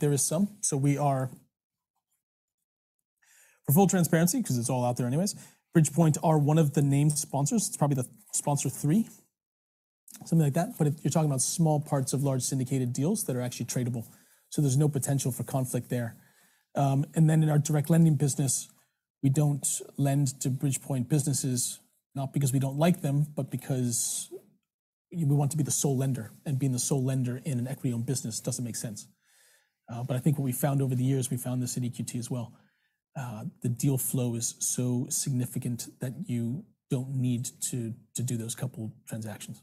there is some. For full transparency, 'cause it's all out there anyways, Bridgepoint are one of the named sponsors. It's probably the sponsor three, something like that. If you're talking about small parts of large syndicated deals that are actually tradable, there's no potential for conflict there. Then in our Direct Lending business, we don't lend to Bridgepoint businesses, not because we don't like them, but because we want to be the sole lender, and being the sole lender in an equity-owned business doesn't make sense. I think what we found over the years, we found this at EQT as well, the deal flow is so significant that you don't need to do those couple transactions.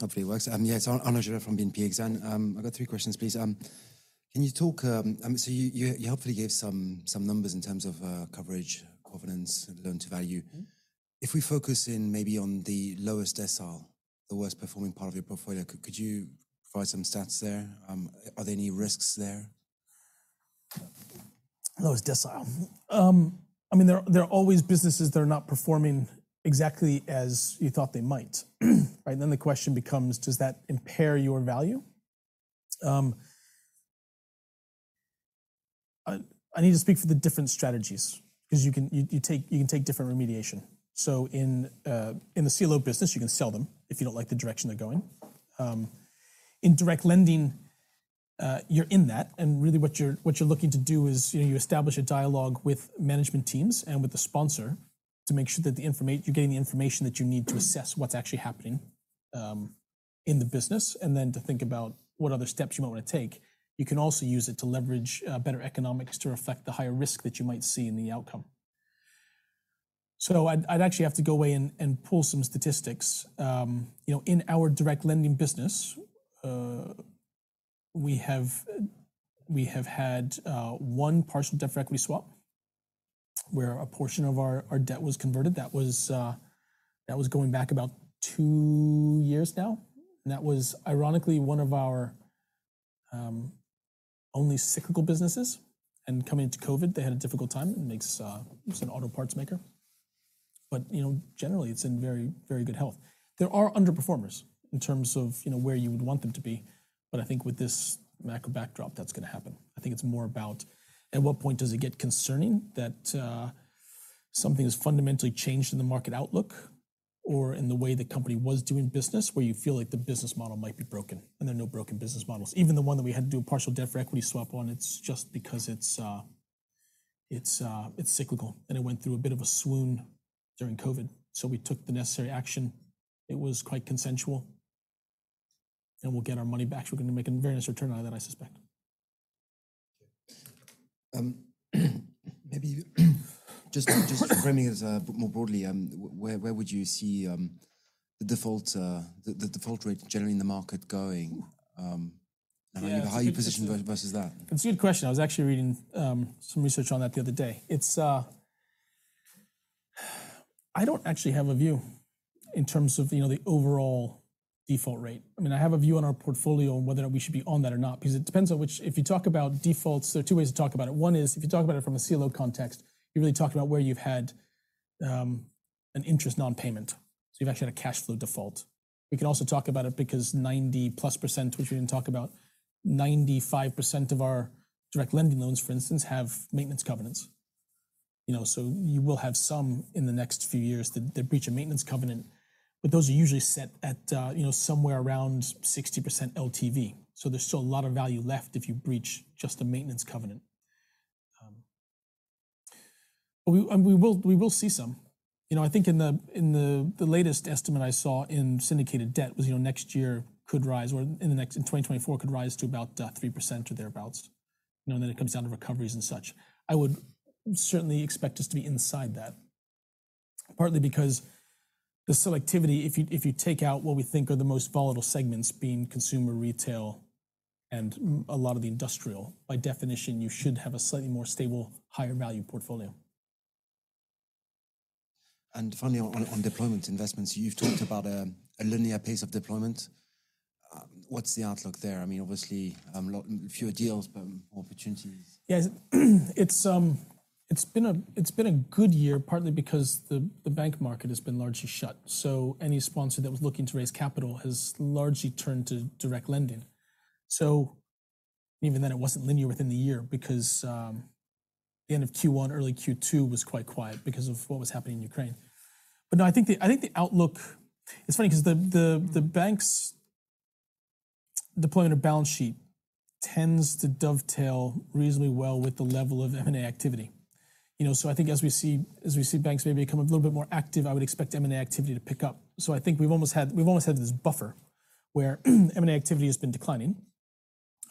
Hopefully it works. Yeah, it's Arnaud Giblat from BNP Paribas Exane. I've got three questions, please. Can you talk? You hopefully gave some numbers in terms of coverage, covenants, and loan to value. Mm-hmm. If we focus in maybe on the lowest decile, the worst performing part of your portfolio, could you provide some stats there? Are there any risks there? Lowest decile. I mean, there are always businesses that are not performing exactly as you thought they might. Right? The question becomes, does that impair your value? I need to speak for the different strategies 'cause you can take different remediation. In the CLO business, you can sell them if you don't like the direction they're going. In Direct Lending, you're in that, really what you're looking to do is, you know, you establish a dialogue with management teams and with the sponsor to make sure that you're getting the information that you need to assess what's actually happening in the business, to think about what other steps you might wanna take. You can also use it to leverage better economics to reflect the higher risk that you might see in the outcome. I'd actually have to go away and pull some statistics. You know, in our Direct Lending business, we have had one partial debt for equity swap where a portion of our debt was converted. That was that was going back about two years now. That was ironically one of our only cyclical businesses. Coming into COVID, they had a difficult time. It's an auto parts maker. You know, generally it's in very, very good health. There are underperformers in terms of, you know, where you would want them to be. I think with this macro backdrop, that's gonna happen. I think it's more about at what point does it get concerning that something has fundamentally changed in the market outlook or in the way the company was doing business, where you feel like the business model might be broken. There are no broken business models. Even the one that we had to do a partial debt for equity swap on, it's just because it's cyclical, and it went through a bit of a swoon during COVID. We took the necessary action. It was quite consensual. We'll get our money back. We're gonna make a very nice return out of that, I suspect. Thank you. Maybe just framing it as more broadly, where would you see the default rate generally in the market going? Yeah. How you position versus that? It's a good question. I was actually reading some research on that the other day. I don't actually have a view in terms of, you know, the overall default rate. I mean, I have a view on our portfolio and whether we should be on that or not, because it depends on which. If you talk about defaults, there are two ways to talk about it. One is, if you talk about it from a CLO context, you're really talking about where you've had an interest non-payment, so you've actually had a cash flow default. We can also talk about it because 90%+ which we didn't talk about, 95% of our Direct Lending loans, for instance, have maintenance covenants. You know, you will have some in the next few years that they breach a maintenance covenant, but those are usually set at, you know, somewhere around 60% LTV. There's still a lot of value left if you breach just a maintenance covenant. We, and we will see some. You know, I think in the, in the latest estimate I saw in Syndicated Debt was, you know, next year could rise or in 2024 could rise to about 3% or thereabouts. You know, then it comes down to recoveries and such. I would certainly expect us to be inside that, partly because the selectivity, if you take out what we think are the most volatile segments, being consumer retail and a lot of the industrial, by definition, you should have a slightly more stable, higher value portfolio. Finally, on deployment investments, you've talked about a linear pace of deployment. What's the outlook there? I mean, obviously, fewer deals, but more opportunities. Yes. It's been a good year, partly because the bank market has been largely shut. Any sponsor that was looking to raise capital has largely turned to Direct Lending. Even then, it wasn't linear within the year because the end of Q1, early Q2 was quite quiet because of what was happening in Ukraine. No, I think the outlook. It's funny because the banks' deployment of balance sheet tends to dovetail reasonably well with the level of M&A activity. You know, I think as we see banks maybe become a little bit more active, I would expect M&A activity to pick up. I think we've almost had this buffer where M&A activity has been declining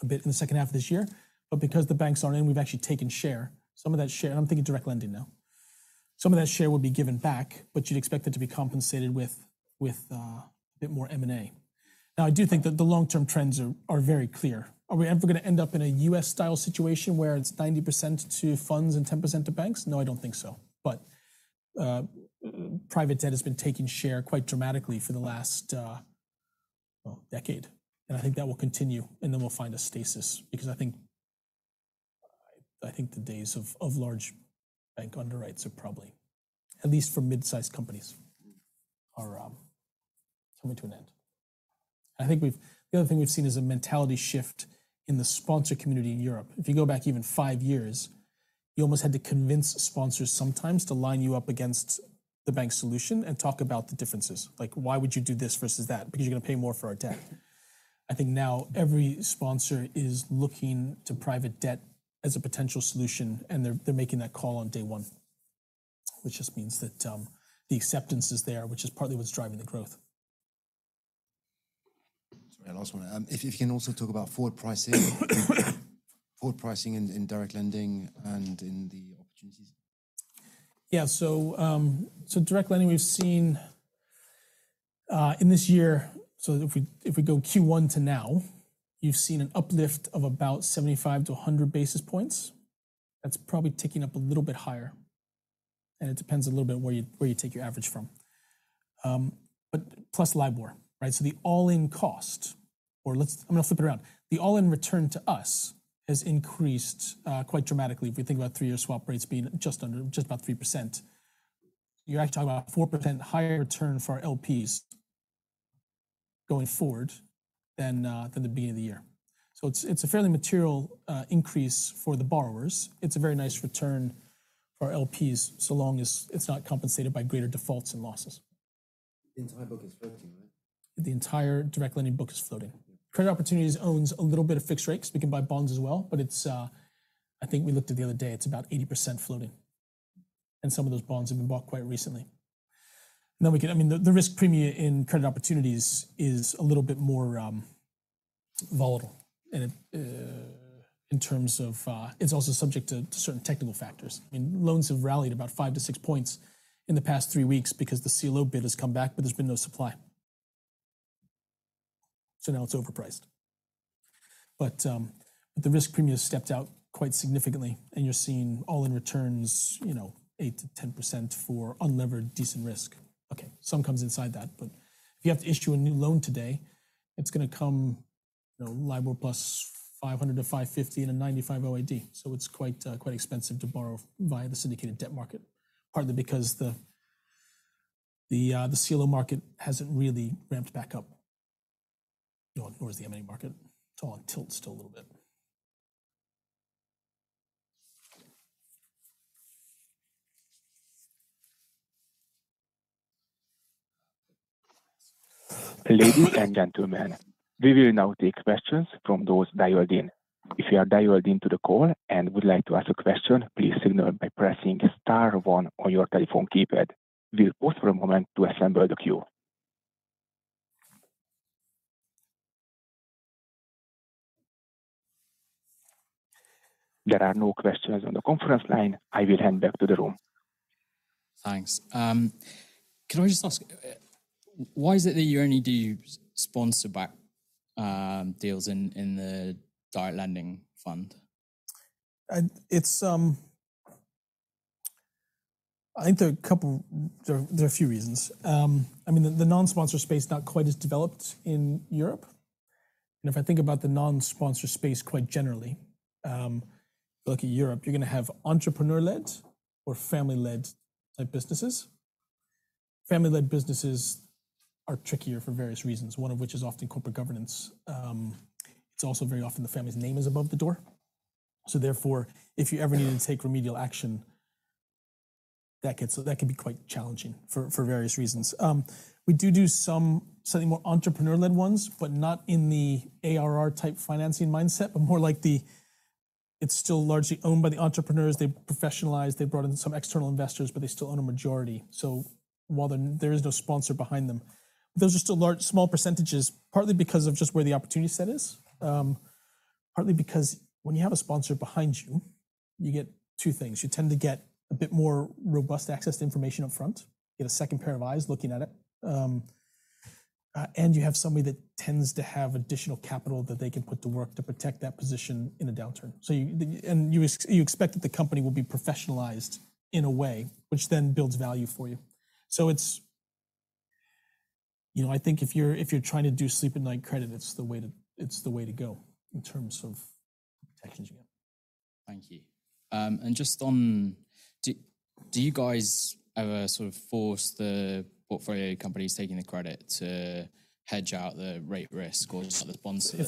a bit in the second half of this year. Because the banks aren't in, we've actually taken share. Some of that share. I'm thinking Direct Lending now. Some of that share will be given back, but you'd expect it to be compensated with a bit more M&A. I do think that the long-term trends are very clear. Are we ever gonna end up in a U.S.-style situation where it's 90% to funds and 10% to banks? No, I don't think so. Private debt has been taking share quite dramatically for the last, well, decade, and I think that will continue, and then we'll find a stasis because I think the days of large bank underwrites are probably, at least for mid-sized companies, are coming to an end. The other thing we've seen is a mentality shift in the sponsor community in Europe. If you go back even five years, you almost had to convince sponsors sometimes to line you up against the bank solution and talk about the differences. Like, "Why would you do this versus that? Because you're gonna pay more for our debt." I think now every sponsor is looking to private debt as a potential solution, and they're making that call on day one, which just means that the acceptance is there, which is partly what's driving the growth. Sorry, last one. If you can also talk about forward pricing in Direct Lending and in the opportunities. Yeah. Direct Lending, we've seen in this year. If we go Q1 to now, you've seen an uplift of about 75-100 basis points. That's probably ticking up a little bit higher, and it depends a little bit where you, where you take your average from. Plus LIBOR, right? The all-in cost, or I'm gonna flip it around. The all-in return to us has increased quite dramatically. If we think about three-year swap rates being just under, just about 3%, you're actually talking about 4% higher return for our LPs going forward than the beginning of the year. It's a fairly material increase for the borrowers. It's a very nice return for our LPs, so long as it's not compensated by greater defaults and losses. The entire book is floating, right? The entire Direct Lending book is floating. Credit Opportunities owns a little bit of fixed rates. We can buy bonds as well, but it's... I think we looked at the other day, it's about 80% floating, and some of those bonds have been bought quite recently. We can... I mean, the risk premia in Credit Opportunities is a little bit more volatile in terms of... It's also subject to certain technical factors. I mean, loans have rallied about 5-6 points in the past three weeks because the CLO bid has come back, but there's been no supply. Now it's overpriced. The risk premia has stepped out quite significantly, and you're seeing all-in returns, you know, 8%-10% for unlevered decent risk. Okay. Some comes inside that. If you have to issue a new loan today, it's gonna come, you know, LIBOR plus 500 to 550 and a 95 OID. It's quite expensive to borrow via the Syndicated Debt market, partly because the CLO market hasn't really ramped back up nor has the M&A market. It's all on tilt still a little bit. Ladies and gentlemen, we will now take questions from those dialed in. If you are dialed into the call and would like to ask a question, please signal by pressing star one on your telephone keypad. We'll pause for a moment to assemble the queue. There are no questions on the conference line. I will hand back to the room. Thanks. Can I just ask, why is it that you only do sponsor back deals in the Direct Lending fund? It's I think there are a few reasons. I mean, the non-sponsor space is not quite as developed in Europe. If I think about the non-sponsor space quite generally, if you look at Europe, you're gonna have entrepreneur-led or family-led type businesses. Family-led businesses are trickier for various reasons, one of which is often corporate governance. It's also very often the family's name is above the door, so therefore, if you ever need to take remedial action, that can be quite challenging for various reasons. We do some slightly more entrepreneur-led ones, but not in the ARR-type financing mindset, but more like the, it's still largely owned by the entrepreneurs. They professionalize, they've brought in some external investors. They still own a majority. While there is no sponsor behind them, those are still small percentages, partly because of just where the opportunity set is, partly because when you have a sponsor behind you get two things. You tend to get a bit more robust access to information up front, you get a second pair of eyes looking at it, and you have somebody that tends to have additional capital that they can put to work to protect that position in a downturn. And you expect that the company will be professionalized in a way which then builds value for you. It's, you know, I think if you're, if you're trying to do sleep-at-night credit, it's the way to go in terms of protecting you. Thank you. Just on, do you guys ever sort of force the portfolio companies taking the credit to hedge out the rate risk or just let the sponsor?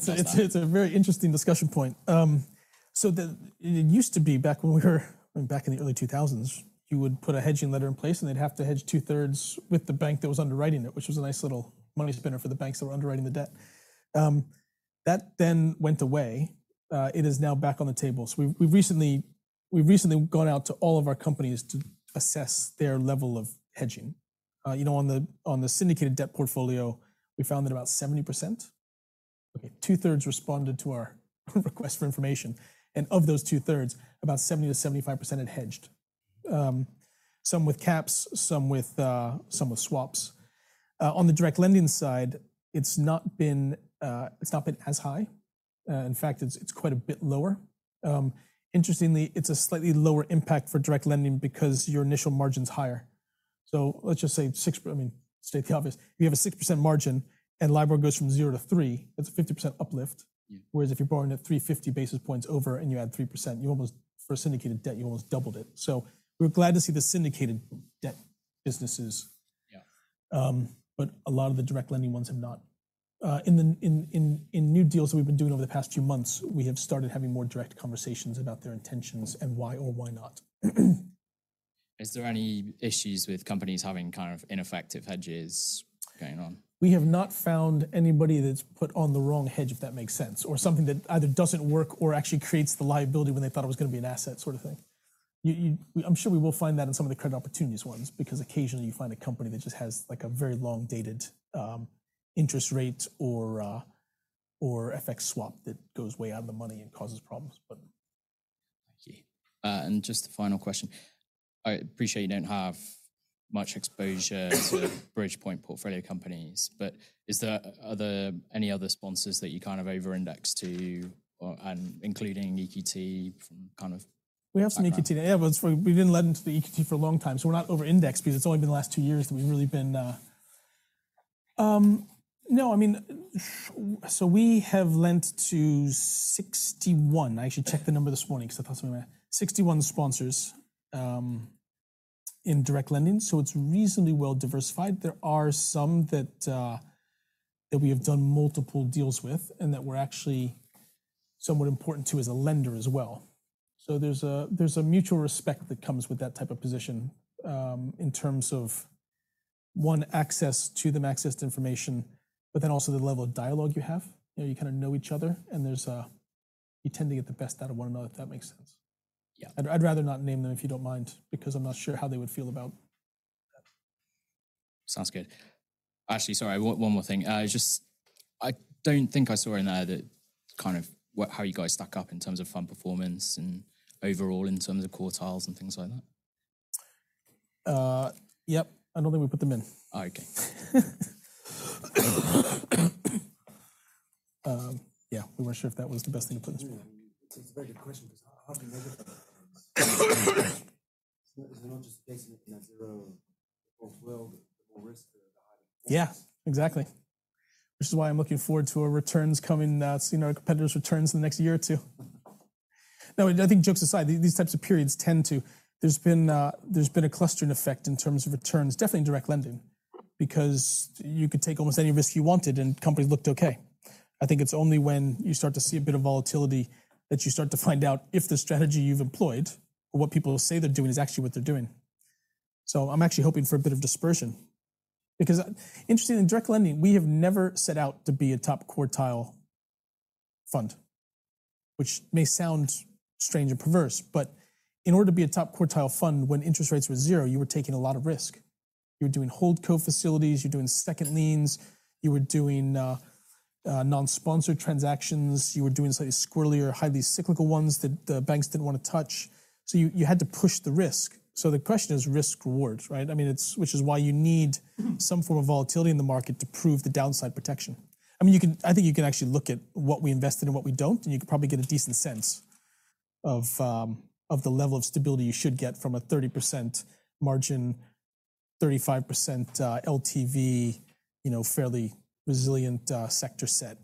It's a very interesting discussion point. It used to be back when we were, back in the early 2000s, you would put a hedging letter in place, and they'd have to hedge 2/3 with the bank that was underwriting it, which was a nice little money spinner for the banks that were underwriting the debt. That then went away. It is now back on the table. We've recently gone out to all of our companies to assess their level of hedging. You know, on the Syndicated Debt portfolio, we found that about 70%. Okay, 2/3 responded to our request for information, and of those 2/3, about 70%-75% had hedged, some with caps, some with swaps. On the Direct Lending side, it's not been as high. In fact, it's quite a bit lower. Interestingly, it's a slightly lower impact for Direct Lending because your initial margin's higher. let's just say, I mean, to state the obvious, you have a 6% margin, and LIBOR goes from zero to three, that's a 50% uplift. Yeah. Whereas if you're borrowing at 350 basis points over and you add 3%, for a Syndicated Debt, you almost doubled it. We're glad to see the Syndicated Debt businesses. Yeah. A lot of the Direct Lending ones have not. In new deals that we've been doing over the past few months, we have started having more direct conversations about their intentions and why or why not. Is there any issues with companies having kind of ineffective hedges going on? We have not found anybody that's put on the wrong hedge, if that makes sense, or something that either doesn't work or actually creates the liability when they thought it was gonna be an asset sort of thing. You, I'm sure we will find that in some of the Credit Opportunities ones, because occasionally you find a company that just has like a very long-dated interest rate or FX swap that goes way out of the money and causes problems, but. Thank you. Just a final question. I appreciate you don't have much exposure to Bridgepoint portfolio companies, but is there any other sponsors that you kind of over-index to or, and including EQT from. We have some EQT. We've been lending to the EQT for a long time, so we're not over-indexed because it's only been the last two years that we've really been. No, I mean, we have lent to 61. I actually checked the number this morning because I thought someone. 61 sponsors in Direct Lending, it's reasonably well diversified. There are some that we have done multiple deals with and that we're actually somewhat important to as a lender as well. There's a mutual respect that comes with that type of position, in terms of, one, access to them, access to information, then also the level of dialogue you have. You know, you kind of know each other, and there's a. You tend to get the best out of one another, if that makes sense. Yeah. I'd rather not name them, if you don't mind, because I'm not sure how they would feel about that. Sounds good. Actually, sorry, one more thing. Just I don't think I saw in there that kind of how you guys stack up in terms of fund performance and overall in terms of quartiles and things like that. Yep. I don't think we put them in. Okay. Yeah. We weren't sure if that was the best thing to put in. It's a very good question because how do you measure that? It's not just basically at zero. The more risk, the higher the performance. Yeah. Exactly. Which is why I'm looking forward to our returns coming, seeing our competitors' returns in the next year or two. No, I think jokes aside, these types of periods tend to... There's been a clustering effect in terms of returns, definitely in Direct Lending, because you could take almost any risk you wanted, and companies looked okay. I think it's only when you start to see a bit of volatility that you start to find out if the strategy you've employed or what people say they're doing is actually what they're doing. I'm actually hoping for a bit of dispersion. Interestingly, in Direct Lending, we have never set out to be a top quartile fund. Which may sound strange and perverse, but in order to be a top quartile fund when interest rates were zero, you were taking a lot of risk. You were doing holdco facilities, you were doing second liens, you were doing non-sponsored transactions, you were doing slightly squirrelly or highly cyclical ones that the banks didn't want to touch. You had to push the risk. The question is risk rewards, right? I mean, it's which is why you need some form of volatility in the market to prove the downside protection. I mean, I think you can actually look at what we invest in and what we don't, and you can probably get a decent sense of the level of stability you should get from a 30% margin, 35% LTV, you know, fairly resilient sector set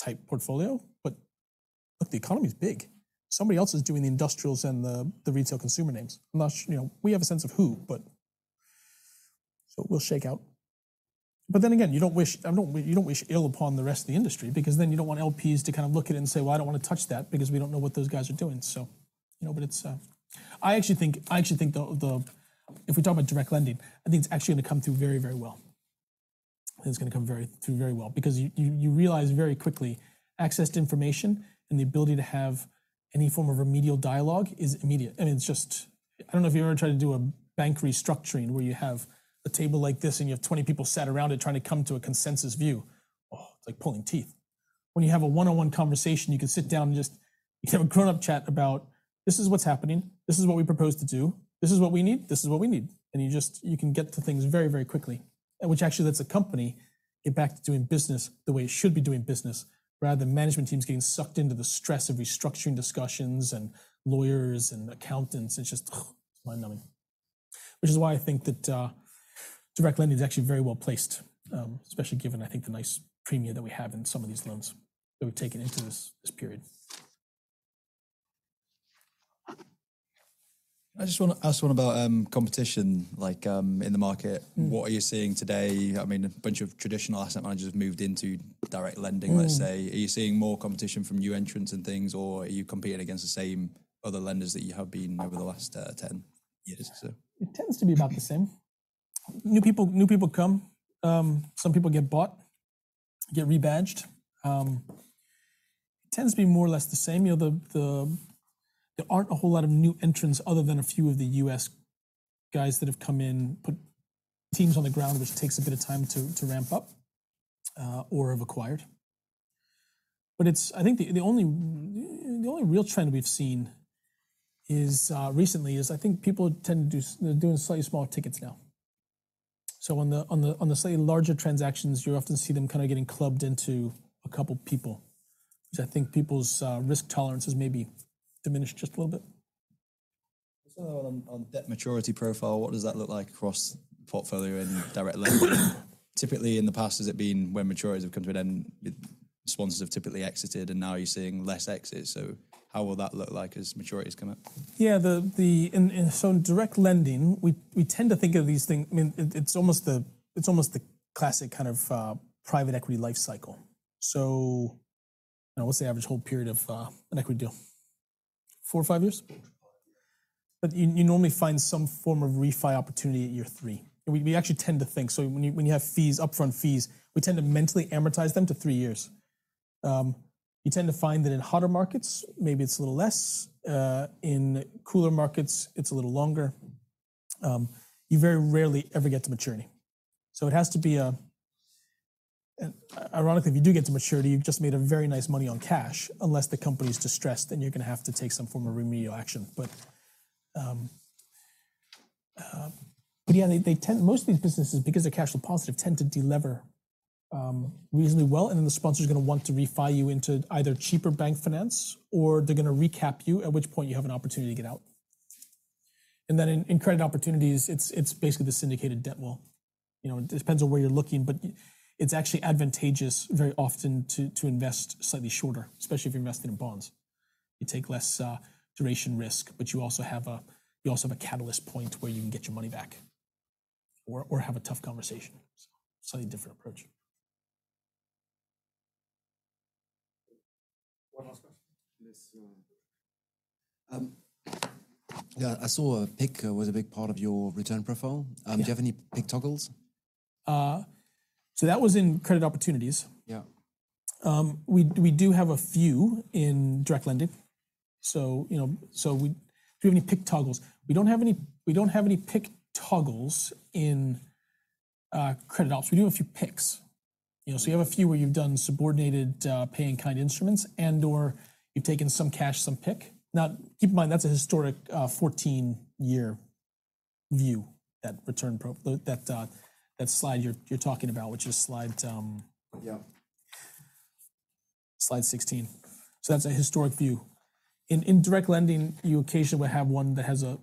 type portfolio. Look, the economy's big. Somebody else is doing the industrials and the retail consumer names. I'm not you know, we have a sense of who, but. It will shake out. Again, you don't wish. You don't wish ill upon the rest of the industry, because you don't want LPs to kind of look at it and say, "Well, I don't wanna touch that," because we don't know what those guys are doing, you know. It's. I actually think the. If we're talking about Direct Lending, I think it's actually gonna come through very, very well. I think it's gonna come through very well because you realize very quickly access to information and the ability to have any form of remedial dialogue is immediate, and it's just. I don't know if you've ever tried to do a bank restructuring where you have a table like this and you have 20 people sat around it trying to come to a consensus view. Oh, it's like pulling teeth. When you have a one-on-one conversation, you can sit down and just, you can have a grown-up chat about, "This is what's happening. This is what we propose to do. This is what we need. This is what we need." You can get to things very, very quickly. Which actually lets a company get back to doing business the way it should be doing business, rather than management teams getting sucked into the stress of restructuring discussions and lawyers and accountants, and it's just, ugh, mind-numbing. Which is why I think that, Direct Lending is actually very well-placed, especially given, I think, the nice premium that we have in some of these loans that we've taken into this period. I just wanna ask one about, competition, like, in the market. Mm. What are you seeing today? I mean, a bunch of traditional asset managers have moved into Direct Lending. Mm. Let's say. Are you seeing more competition from new entrants and things, or are you competing against the same other lenders that you have been over the last 10 years or so? It tends to be about the same. New people come. Some people get bought, get rebadged. It tends to be more or less the same. You know, there aren't a whole lot of new entrants other than a few of the U.S. guys that have come in, put teams on the ground, which takes a bit of time to ramp up or have acquired. I think the only real trend we've seen recently is I think They're doing slightly smaller tickets now. On the slightly larger transactions, you often see them kind of getting clubbed into a couple people, which I think people's risk tolerance has maybe diminished just a little bit. Just another one on debt maturity profile. What does that look like across the portfolio in Direct Lending? Typically, in the past, has it been when maturities have come to an end, the sponsors have typically exited, and now you're seeing less exits, so how will that look like as maturities come up? Yeah. In Direct Lending, we tend to think of these things. I mean, it's almost the classic kind of private equity life cycle. What's the average hold period of an equity deal? Four or five years? You normally find some form of refi opportunity at year three. We actually tend to think. When you have fees, upfront fees, we tend to mentally amortize them to three years. You tend to find that in hotter markets, maybe it's a little less. In cooler markets, it's a little longer. You very rarely ever get to maturity. Ironically, if you do get to maturity, you've just made a very nice money on cash, unless the company's distressed, then you're gonna have to take some form of remedial action. Yeah, they tend. Most of these businesses, because they're cash flow positive, tend to de-lever reasonably well. The sponsor's gonna want to refi you into either cheaper bank finance, or they're gonna recap you, at which point you have an opportunity to get out. In Credit Opportunities, it's basically the Syndicated Debt wall. You know, it depends on where you're looking, but it's actually advantageous very often to invest slightly shorter, especially if you're investing in bonds. You take less duration risk, but you also have a catalyst point where you can get your money back or have a tough conversation. Slightly different approach. One last question. Yes. Yeah, I saw PIK was a big part of your return profile. Yeah. Do you have any PIK toggles? That was in Credit Opportunities. Yeah. We do have a few in Direct Lending. You know, do we have any PIK toggles? We don't have any PIK toggles in Credit Ops. We do have a few PIKs. You know, you have a few where you've done subordinated, paying kind instruments and/or you've taken some cash, some PIK. Keep in mind, that's a historic, 14-year view, that slide you're talking about, which is slide. Yeah. Slide 16. That's a historic view. In Direct Lending, you occasionally have one that has a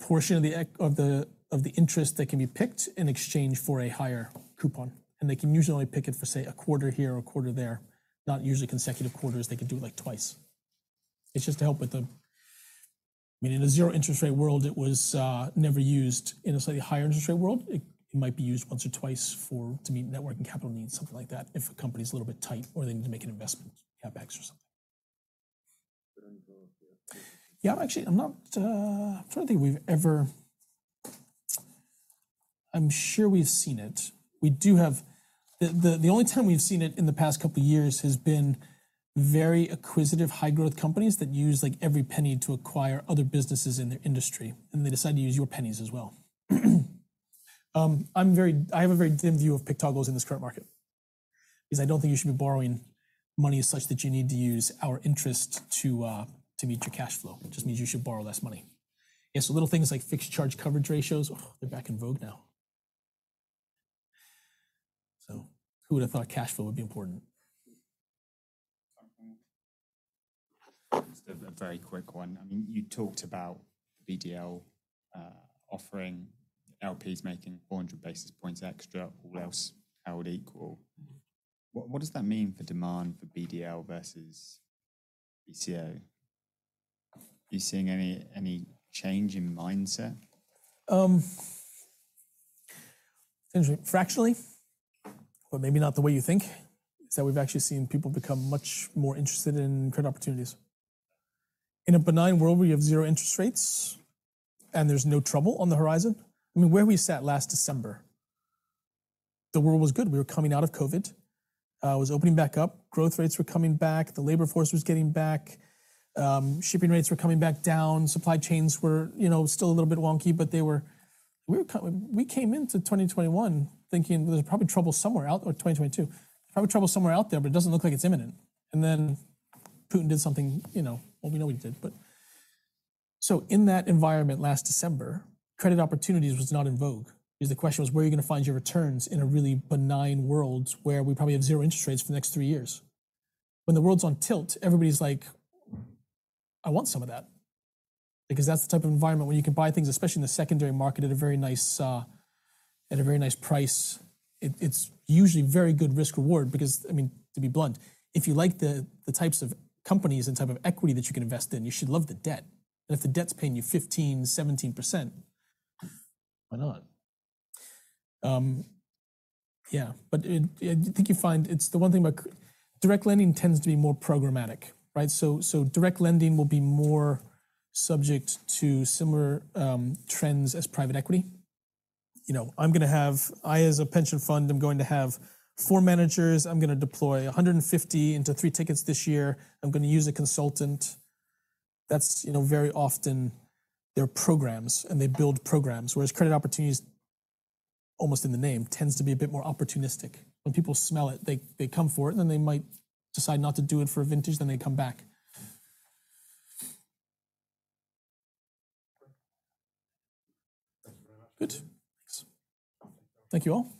portion of the interest that can be picked in exchange for a higher coupon, and they can usually only pick it for, say, a quarter here or a quarter there, not usually consecutive quarters. They could do it, like, twice. It's just to help with the... I mean, in a zero interest rate world, it was never used. In a slightly higher interest rate world, it might be used once or twice for... to meet net working capital needs, something like that, if a company's a little bit tight or they need to make an investment, CapEx or something. Yeah. Actually, I'm not, I'm trying to think we've ever I'm sure we've seen it. The only time we've seen it in the past couple years has been very acquisitive high growth companies that use, like, every penny to acquire other businesses in their industry, and they decide to use your pennies as well. I have a very dim view of PIK toggles in this current market 'cause I don't think you should be borrowing money as such that you need to use our interest to meet your cash flow. It just means you should borrow less money. Little things like fixed charge coverage ratios, oh, they're back in vogue now. Who would've thought cash flow would be important? Just a very quick one. I mean, you talked about BDL offering LPs making 400 basis points extra, all else held equal. What does that mean for demand for BDL versus BCO? Are you seeing any change in mindset? Fractionally, but maybe not the way you think, is that we've actually seen people become much more interested in Credit Opportunities. In a benign world where you have 0 interest rates and there's no trouble on the horizon. I mean, where we sat last December, the world was good. We were coming out of COVID, it was opening back up, growth rates were coming back, the labor force was getting back, shipping rates were coming back down, supply chains were, you know, still a little bit wonky, but they were. We came into 2021 thinking there's probably trouble somewhere out there, or 2022. Probably trouble somewhere out there, but it doesn't look like it's imminent. Putin did something, you know, well, we know what he did, but...In that environment last December, Credit Opportunities was not in vogue because the question was, where are you going to find your returns in a really benign world where we probably have zero interest rates for the next three years? When the world's on tilt, everybody's like, "I want some of that." That's the type of environment where you can buy things, especially in the secondary market, at a very nice, at a very nice price. It's usually very good risk reward because, I mean, to be blunt, if you like the types of companies and type of equity that you can invest in, you should love the debt. If the debt's paying you 15%, 17%, why not? Yeah. I think you find it's the one thing about Direct Lending tends to be more programmatic, right? Direct Lending will be more subject to similar trends as private equity. You know, I as a pension fund, I'm going to have four managers. I'm gonna deploy 150 (Pound Sterling) into three tickets this year. I'm gonna use a consultant. That's you know, very often their programs, and they build programs. Credit opportunities, almost in the name, tends to be a bit more opportunistic. When people smell it, they come for it, and then they might decide not to do it for a vintage, then they come back. Thanks very much. Good. Thanks. Thank you all.